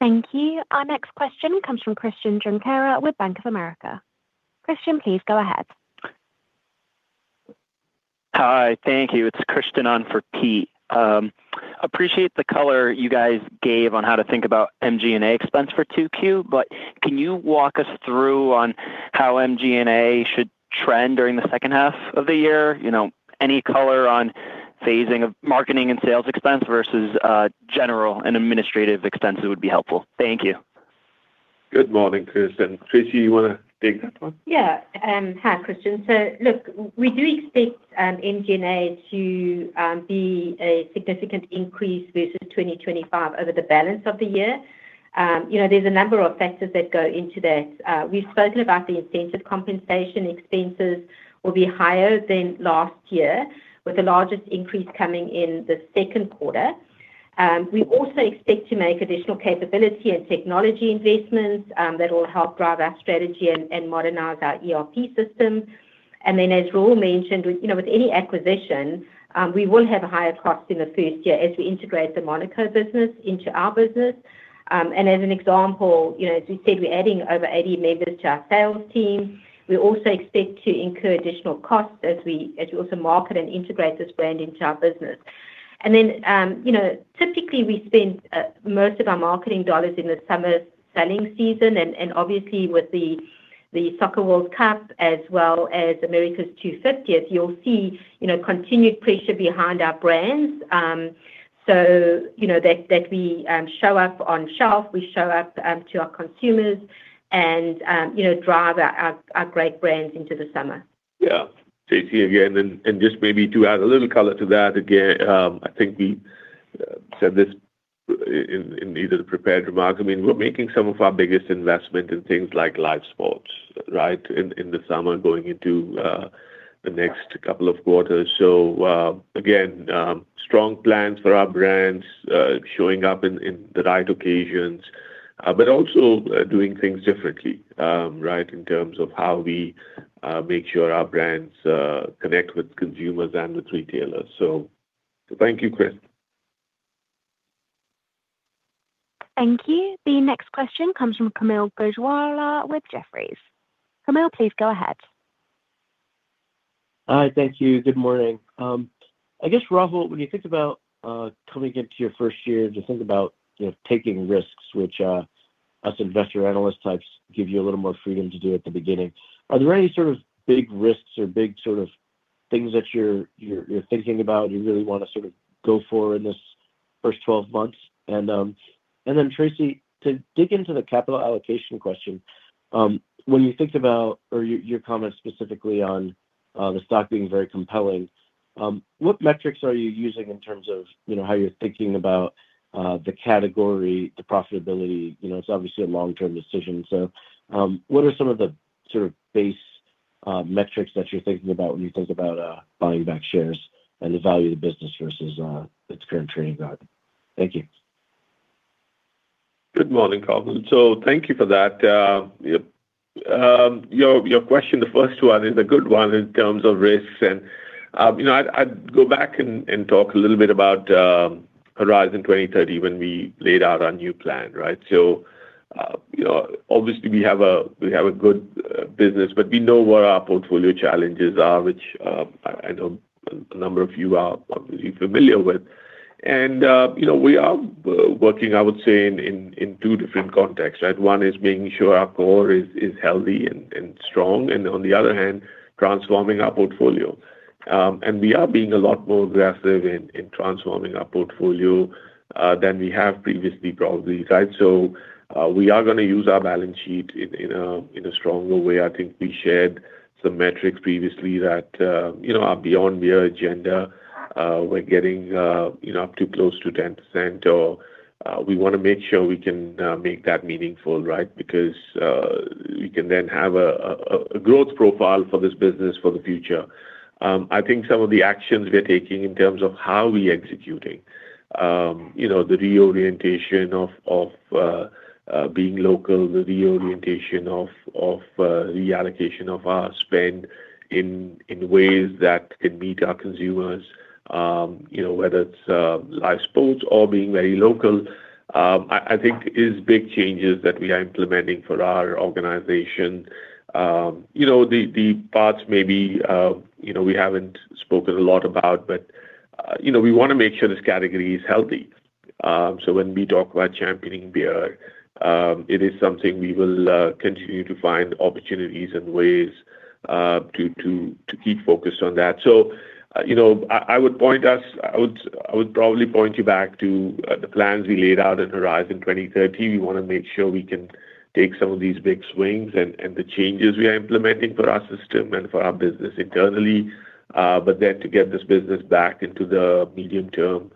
Thank you. Our next question comes from Bryan Spillane with Bank of America. Bryan, please go ahead. Hi. Thank you. It's Bryan Spillane on for Pete. Appreciate the color you guys gave on how to think about MG&A expense for 2Q. Can you walk us through on how MG&A should trend during the second half of the year? You know, any color on phasing of marketing and sales expense versus general and administrative expenses would be helpful. Thank you. Good morning, Christian. Tracey, you wanna take that one? Hi, Bryan Spillane. Look, we do expect MG&A to be a significant increase versus 2025 over the balance of the year. You know, there's a number of factors that go into that. We've spoken about the incentive compensation expenses will be higher than last year, with the largest increase coming in the second quarter. We also expect to make additional capability and technology investments that will help drive our strategy and modernize our ERP system. As Rahul mentioned, with, you know, with any acquisition, we will have a higher cost in the first year as we integrate the Monaco business into our business. As an example, you know, as we said, we're adding over 80 members to our sales team. We also expect to incur additional costs as we also market and integrate this brand into our business. You know, typically, we spend most of our marketing dollars in the summer selling season and obviously with the World Cup as well as America's 250th, you'll see, you know, continued pressure behind our brands. You know, that we show up on shelf, we show up to our consumers and, you know, drive our great brands into the summer. Yeah. Tracey again, and just maybe to add a little color to that. Again, I think we said this in either the prepared remarks. I mean, we're making some of our biggest investment in things like live sports, right, in the summer going into the next couple of quarters. Again, strong plans for our brands, showing up in the right occasions, but also doing things differently, right, in terms of how we make sure our brands connect with consumers and with retailers. Thank you, Chris. Thank you. The next question comes from Kaumil Gajrawala with Jefferies. Kaumil, please go ahead. Hi. Thank you. Good morning. I guess, Rahul, when you think about coming into your first year to think about, you know, taking risks, which us investor analyst types give you a little more freedom to do at the beginning, are there any sort of big risks or big sort of things that you're thinking about, you really wanna sort of go for in this first 12 months? Then Tracey, to dig into the capital allocation question, when you think about or your comments specifically on the stock being very compelling, what metrics are you using in terms of, you know, how you're thinking about the category, the profitability? You know, it's obviously a long-term decision. What are some of the sort of base metrics that you're thinking about when you think about buying back shares and the value of the business versus its current trading value? Thank you. Good morning, Kaumil. Thank you for that. Yep. Your question, the first one is a good one in terms of risks. You know, I'd go back and talk a little bit about Horizon 2030 when we laid out our new plan, right? You know, obviously, we have a good business, but we know where our portfolio challenges are, which I know a number of you are obviously familiar with. You know, we are working, I would say in two different contexts, right? One, is making sure our core is healthy and strong, and on the other hand, transforming our portfolio. We are being a lot more aggressive in transforming our portfolio than we have previously, probably, right? We are gonna use our balance sheet in a, in a stronger way. I think we shared some metrics previously that, you know, are beyond mere agenda. We're getting, you know, up to close to 10% or, we wanna make sure we can make that meaningful, right? We can then have a, a growth profile for this business for the future. I think some of the actions we're taking in terms of how we're executing, you know, the reorientation of, being local, the reorientation of, reallocation of our spend in ways that can meet our consumers, you know, whether it's live sports or being very local, I think is big changes that we are implementing for our organization. You know, the parts maybe, you know, we haven't spoken a lot about, but, you know, we wanna make sure this category is healthy. When we talk about championing beer, it is something we will continue to find opportunities and ways to keep focused on that. You know, I would probably point you back to the plans we laid out in Horizon 2030. We wanna make sure we can take some of these big swings and the changes we are implementing for our system and for our business internally, but then to get this business back into the medium-term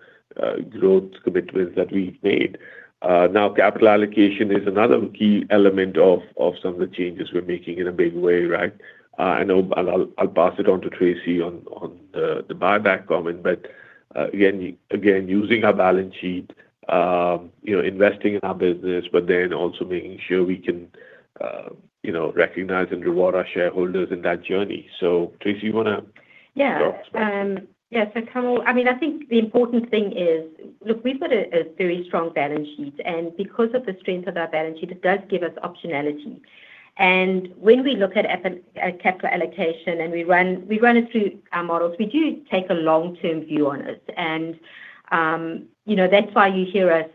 growth commitments that we've made. Now capital allocation is another key element of some of the changes we're making in a big way, right? I know I'll pass it on to Tracey on the buyback comment. Again, using our balance sheet, you know, investing in our business, but then also making sure we can, you know, recognize and reward our shareholders in that journey. Tracey, you wanna. Yeah. Kaumil, I mean, I think the important thing is, look, we've got a very strong balance sheet, and because of the strength of our balance sheet, it does give us optionality. When we look at capital allocation and we run, we run it through our models, we do take a long-term view on it. You know, that's why you hear us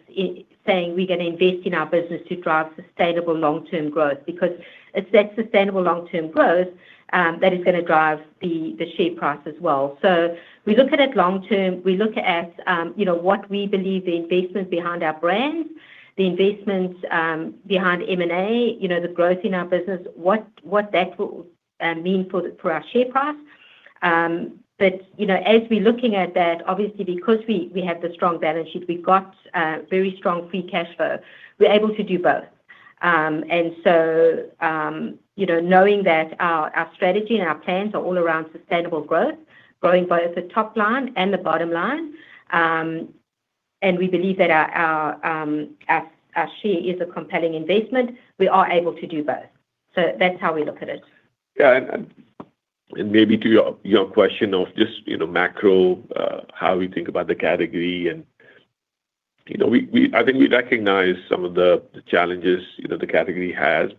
saying we're gonna invest in our business to drive sustainable long-term growth because it's that sustainable long-term growth that is gonna drive the share price as well. We look at it long term. We look at, you know, what we believe the investments behind our brands, the investments behind M&A, you know, the growth in our business, what that will mean for our share price. You know, as we're looking at that, obviously, because we have the strong balance sheet, we've got very strong free cash flow. We're able to do both. You know, knowing that our strategy and our plans are all around sustainable growth, growing both the top line and the bottom line. We believe that our share is a compelling investment. We are able to do both. That's how we look at it. Yeah. Maybe to your question of just, you know, macro, how we think about the category and, you know, I think we recognize some of the challenges, you know, the category has.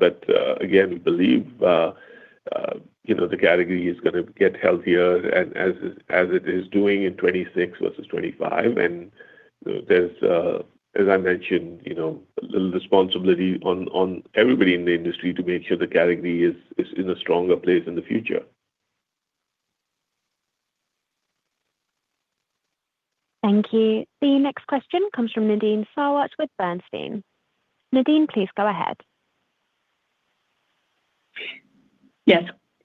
Again, we believe, you know, the category is gonna get healthier as it is doing in 2026 versus 2025. There's, as I mentioned, you know, a little responsibility on everybody in the industry to make sure the category is in a stronger place in the future. Thank you. The next question comes from Nadine Sarwat with Bernstein. Nadine, please go ahead. Yes.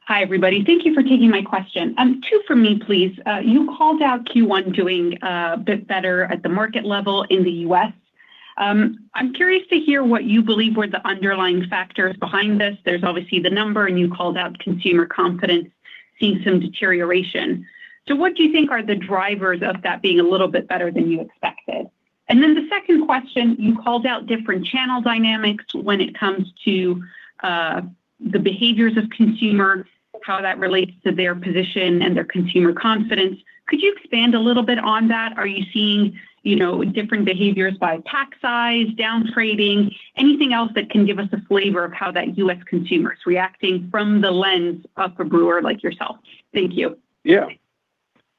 Hi, everybody. Thank you for taking my question. Two for me, please. You called out Q1 doing a bit better at the market level in the U.S. I'm curious to hear what you believe were the underlying factors behind this. There's obviously the number, and you called out consumer confidence seeing some deterioration. What do you think are the drivers of that being a little bit better than you expected? The second question, you called out different channel dynamics when it comes to the behaviors of consumers, how that relates to their position and their consumer confidence. Could you expand a little bit on that? Are you seeing, you know, different behaviors by pack size, downgrading, anything else that can give us a flavor of how that U.S. consumer is reacting from the lens of a brewer like yourself? Thank you.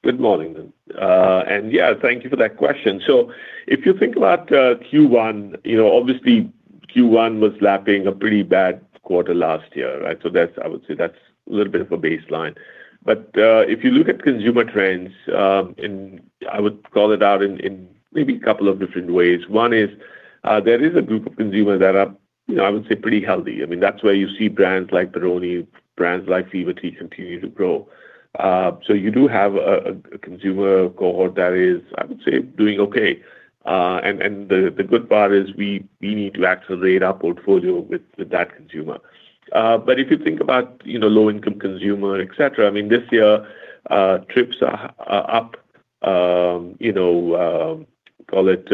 Yeah. Good morning. Thank you for that question. If you think about Q1, you know, obviously Q1 was lapping a pretty bad quarter last year, right? That's a little bit of a baseline. If you look at consumer trends, I would call it out in two different ways. One is, there is a group of consumers that are, you know, I would say pretty healthy. I mean, that's where you see brands like Peroni, brands like Fever-Tree continue to grow. You do have a consumer cohort that is, I would say, doing okay. And the good part is we need to accelerate our portfolio with that consumer. If you think about, you know, low-income consumer, et cetera, I mean, this year, trips are up, you know, call it,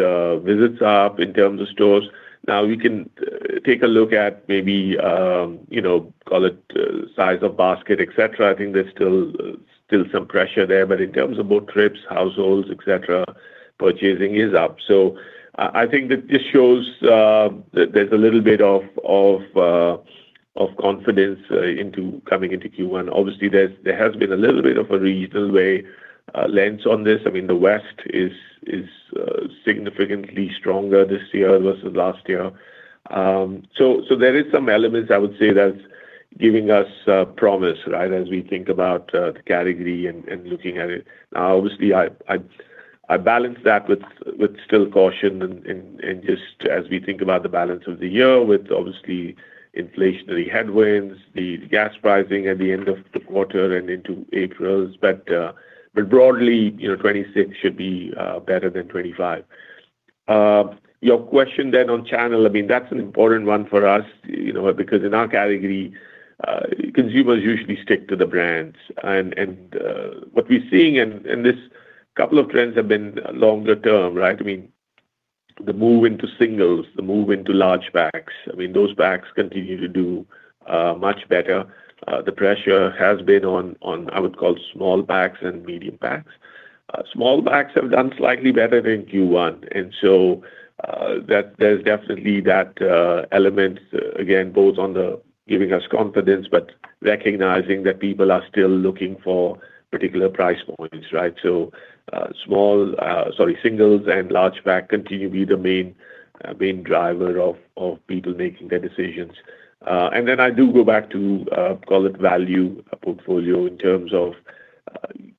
visits up in terms of stores. Now we can take a look at maybe, you know, call it, size of basket, et cetera. I think there's still some pressure there. In terms of both trips, households, et cetera, purchasing is up. I think that this shows there's a little bit of confidence coming into Q1. Obviously, there has been a little bit of a regional way lens on this. I mean, the West is significantly stronger this year versus last year. There is some elements I would say that's giving us promise, right, as we think about the category and looking at it. Now, obviously, I balance that with still caution and just as we think about the balance of the year with obviously inflationary headwinds, the gas pricing at the end of the quarter and into April. Broadly, you know, 2026 should be better than 2025. Your question then on channel, I mean, that's an important one for us, you know, because in our category, consumers usually stick to the brands. What we're seeing and this couple of trends have been longer term, right? I mean, the move into singles, the move into large packs, I mean, those packs continue to do much better. The pressure has been on, I would call small packs and medium packs. Small packs have done slightly better than Q1. There's definitely that element, again, both on the giving us confidence, but recognizing that people are still looking for particular price points, right? Sorry, singles and large pack continue to be the main driver of people making their decisions. Then I do go back to call it value portfolio in terms of,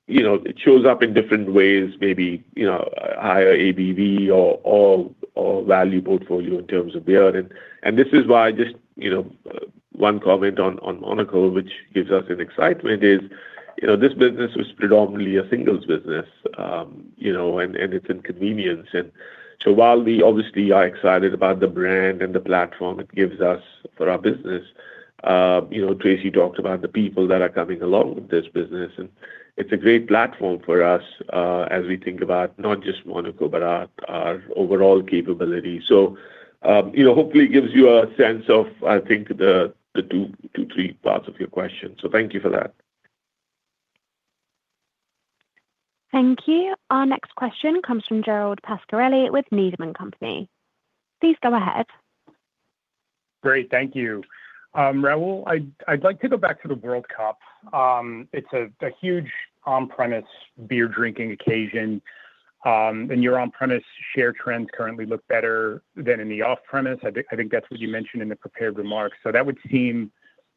you know, it shows up in different ways, maybe, you know, higher ABV or value portfolio in terms of beer. This is why just, you know, one comment on Monaco, which gives us an excitement is, you know, this business was predominantly a singles business, you know, and it's in convenience. While we obviously are excited about the brand and the platform it gives us for our business, you know, Tracey talked about the people that are coming along with this business, and it's a great platform for us as we think about not just Monaco, but our overall capability. You know, hopefully it gives you a sense of, I think, the 2 to 3 parts of your question. Thank you for that. Thank you. Our next question comes from Gerald Pascarelli with Needham & Company. Please go ahead. Great. Thank you. Rahul, I'd like to go back to the World Cup. It's a huge on-premise beer drinking occasion. Your on-premise share trends currently look better than in the off-premise. I think that's what you mentioned in the prepared remarks. That would seem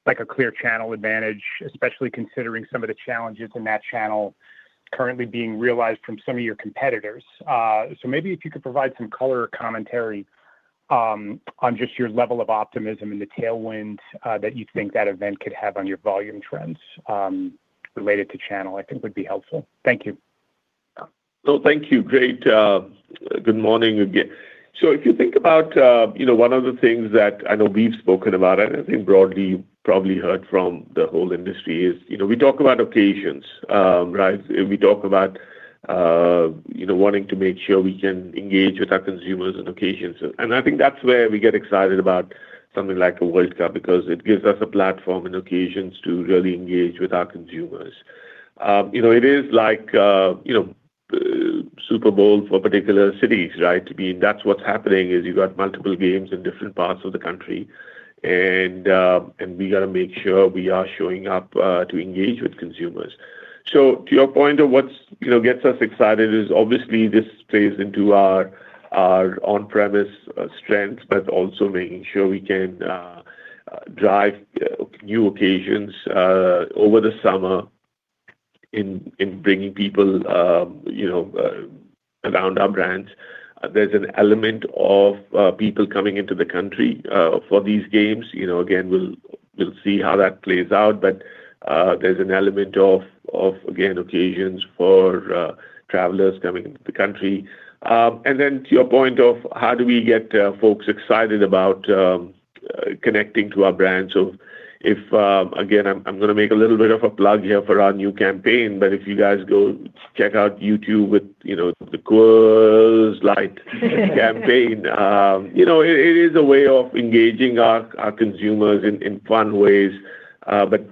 like a clear channel advantage, especially considering some of the challenges in that channel currently being realized from some of your competitors. Maybe if you could provide some color or commentary on just your level of optimism and the tailwind that you think that event could have on your volume trends related to channel, I think would be helpful. Thank you. Thank you. Great. Good morning again. If you think about, you know, one of the things that I know we've spoken about, and I think broadly you've probably heard from the whole industry is, you know, we talk about occasions, right? We talk about, you know, wanting to make sure we can engage with our consumers on occasions. I think that's where we get excited about something like a World Cup, because it gives us a platform and occasions to really engage with our consumers. You know, it is like, you know, Super Bowl for particular cities, right? I mean, that's what's happening, is you got multiple games in different parts of the country and we gotta make sure we are showing up to engage with consumers. To your point of what's, you know, gets us excited is obviously this plays into our on-premise strengths, but also making sure we can drive new occasions over the summer in bringing people, you know, around our brands. There's an element of people coming into the country for these games. You know, again, we'll see how that plays out. There's an element of again, occasions for travelers coming into the country. To your point of how do we get folks excited about connecting to our brand. If again, I'm gonna make a little bit of a plug here for our new campaign, but if you guys go check out YouTube with, you know, the Coors Light campaign. You know, it is a way of engaging our consumers in fun ways, but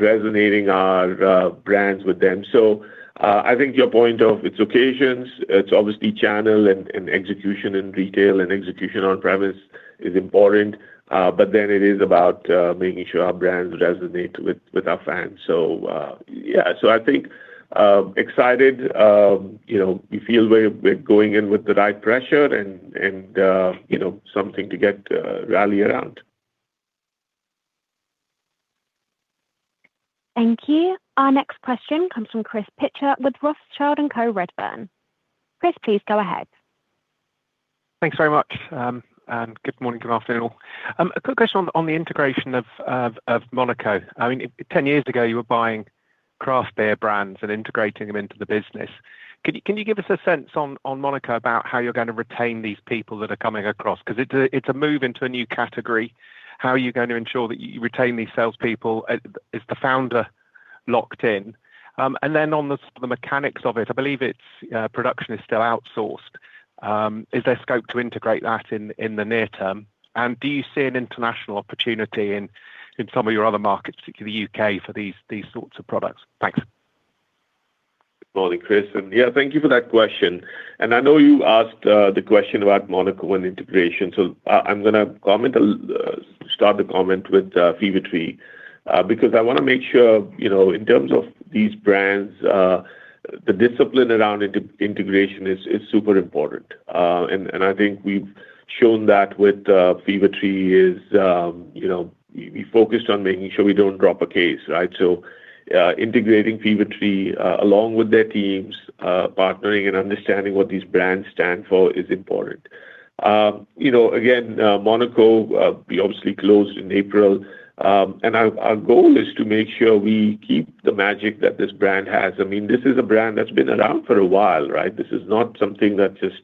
resonating our brands with them. I think your point of it's occasions, it's obviously channel and execution in retail and execution on-premise is important. It is about making sure our brands resonate with our fans. I think excited. You know, we feel very we're going in with the right pressure and, you know, something to get rally around. Thank you. Our next question comes from Chris Pitcher with Rothschild & Co Redburn. Chris, please go ahead. Thanks very much. Good morning, good afternoon, all. A quick question on the integration of Monaco. I mean, 10 years ago you were buying craft beer brands and integrating them into the business. Can you give us a sense on Monaco about how you're gonna retain these people that are coming across? 'Cause it's a move into a new category. How are you going to ensure that you retain these salespeople? Is the founder locked in? Then on the mechanics of it, I believe its production is still outsourced. Is there scope to integrate that in the near term? Do you see an international opportunity in some of your other markets, particularly the U.K. for these sorts of products? Thanks. Good morning, Chris. Thank you for that question. I know you asked the question about Monaco and integration, so I'm gonna start the comment with Fever-Tree. Because I wanna make sure, you know, in terms of these brands, the discipline around integration is super important. And I think we've shown that with Fever-Tree is, you know, we focused on making sure we don't drop a case, right? Integrating Fever-Tree, along with their teams, partnering and understanding what these brands stand for is important. You know, again, Monaco, we obviously closed in April. Our goal is to make sure we keep the magic that this brand has. I mean, this is a brand that's been around for a while, right? This is not something that just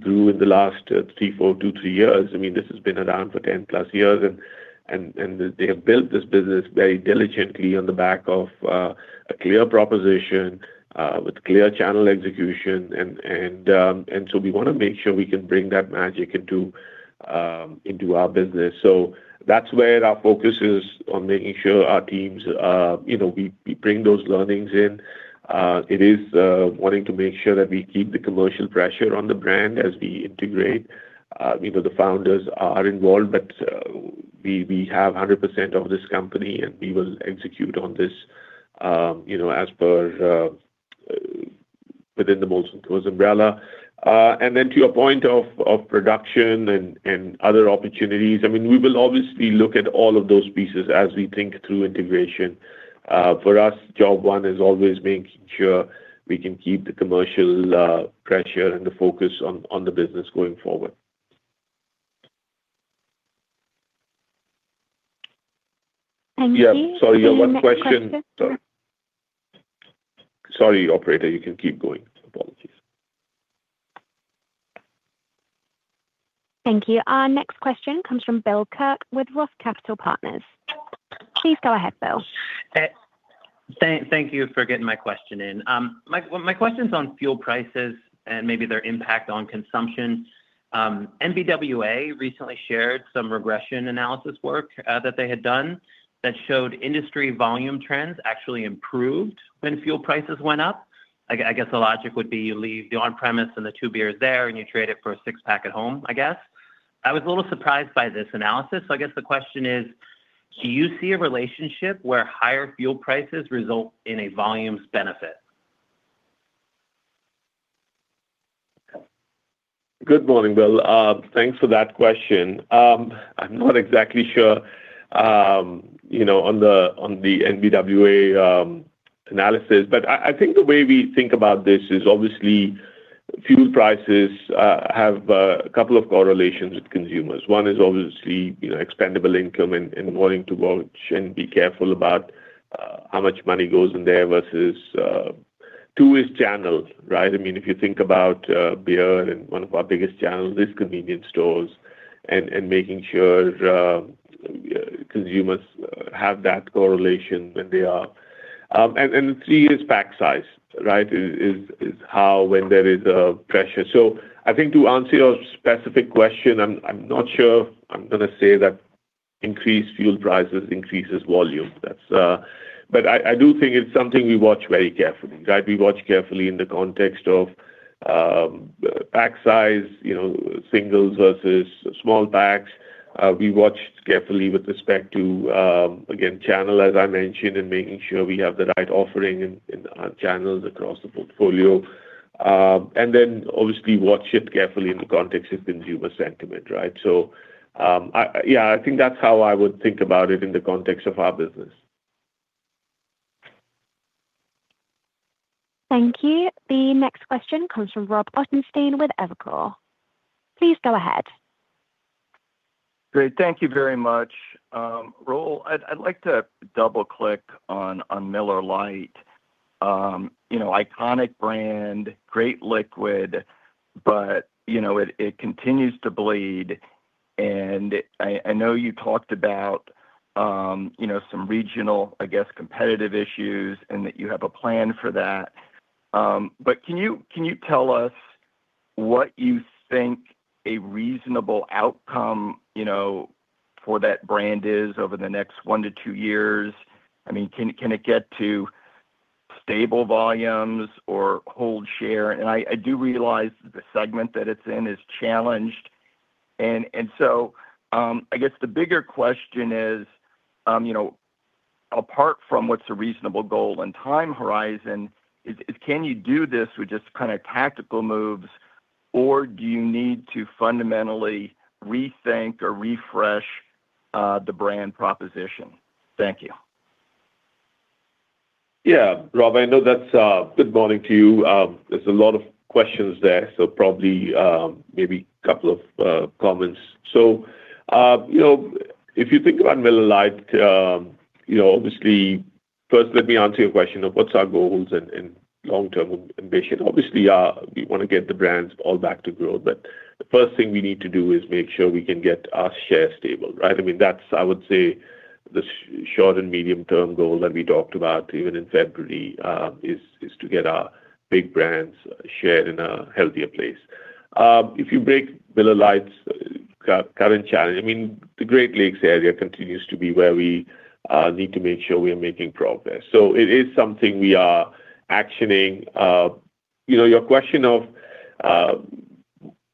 grew in the last three to four, two to three years. I mean, this has been around for 10+ years and they have built this business very diligently on the back of a clear proposition with clear channel execution. We wanna make sure we can bring that magic into our business. That's where our focus is on making sure our teams, you know, we bring those learnings in. It is wanting to make sure that we keep the commercial pressure on the brand as we integrate. The founders are involved, but we have 100% of this company and we will execute on this, you know, as per within the Molson Coors umbrella. To your point of production and other opportunities, I mean, we will obviously look at all of those pieces as we think through integration. For us, job one is always making sure we can keep the commercial pressure and the focus on the business going forward. Thank you. Yeah. Sorry, one question. Our next question. Sorry, operator. You can keep going. Apologies. Thank you. Our next question comes from Bill Kirk with ROTH Capital Partners. Please go ahead, Bill. Thank you for getting my question in. My question's on fuel prices and maybe their impact on consumption. NBWA recently shared some regression analysis work that they had done that showed industry volume trends actually improved when fuel prices went up. I guess the logic would be you leave the on-premise and the two beers there, and you trade it for a six-pack at home, I guess. I was a little surprised by this analysis. I guess the question is: do you see a relationship where higher fuel prices result in a volumes benefit? Good morning, Bill. Thanks for that question. I'm not exactly sure, you know, on the, on the NBWA analysis, but I think the way we think about this is obviously fuel prices have a couple of correlations with consumers. One is obviously, you know, expendable income and wanting to watch and be careful about how much money goes in there versus. Two is channels, right? I mean, if you think about beer and one of our biggest channels is convenience stores and making sure consumers have that correlation when they are. And, and three is pack size, right? Is how when there is pressure. I think to answer your specific question, I'm not sure I'm gonna say that increased fuel prices increases volume. I do think it's something we watch very carefully, right? We watch carefully in the context of pack size, you know, singles versus small packs. We watch carefully with respect to again, channel, as I mentioned, and making sure we have the right offering in our channels across the portfolio. Then obviously watch it carefully in the context of consumer sentiment, right? Yeah, I think that's how I would think about it in the context of our business. Thank you. The next question comes from Robert Ottenstein with Evercore. Please go ahead. Great. Thank you very much. Rahul, I'd like to double-click on Miller Lite. You know, iconic brand, great liquid, but, you know, it continues to bleed. I know you talked about, you know, some regional, I guess, competitive issues and that you have a plan for that. Can you tell us what you think a reasonable outcome, you know, for that brand is over the next one to two years? I mean, can it get to stable volumes or hold share? I do realize the segment that it's in is challenged. I guess the bigger question is, you know, apart from what's a reasonable goal and time horizon is can you do this with just kinda tactical moves, or do you need to fundamentally rethink or refresh the brand proposition? Thank you. Yeah. Rob, I know that's. Good morning to you. There's a lot of questions there, so probably maybe couple of comments. you know, if you think about Miller Lite, you know, obviously, first let me answer your question of what's our goals and long-term ambition. Obviously, we wanna get the brands all back to growth, but the first thing we need to do is make sure we can get our share stable, right? I mean, that's, I would say, the short and medium-term goal that we talked about even in February, to get our big brands shared in a healthier place. If you break Miller Lite's current challenge, I mean, the Great Lakes area continues to be where we need to make sure we are making progress. It is something we are actioning. You know, your question of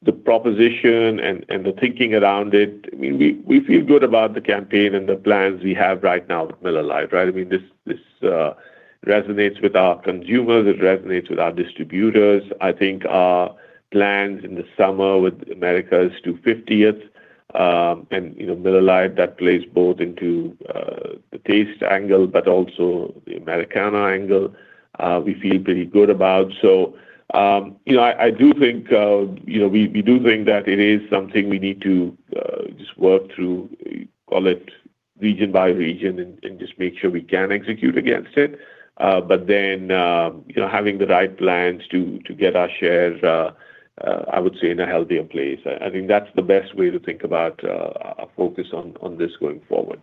the proposition and the thinking around it, we feel good about the campaign and the plans we have right now with Miller Lite, right? This resonates with our consumers. It resonates with our distributors. I think our plans in the summer with America's 250th, and, you know, Miller Lite, that plays both into the taste angle, but also the Americana angle, we feel pretty good about. You know, I do think, you know, we do think that it is something we need to just work through, call it region by region and just make sure we can execute against it. You know, having the right plans to get our shares, I would say in a healthier place. I think that's the best way to think about our focus on this going forward.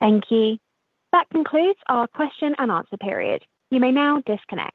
Thank you. That concludes our question and answer period. You may now disconnect.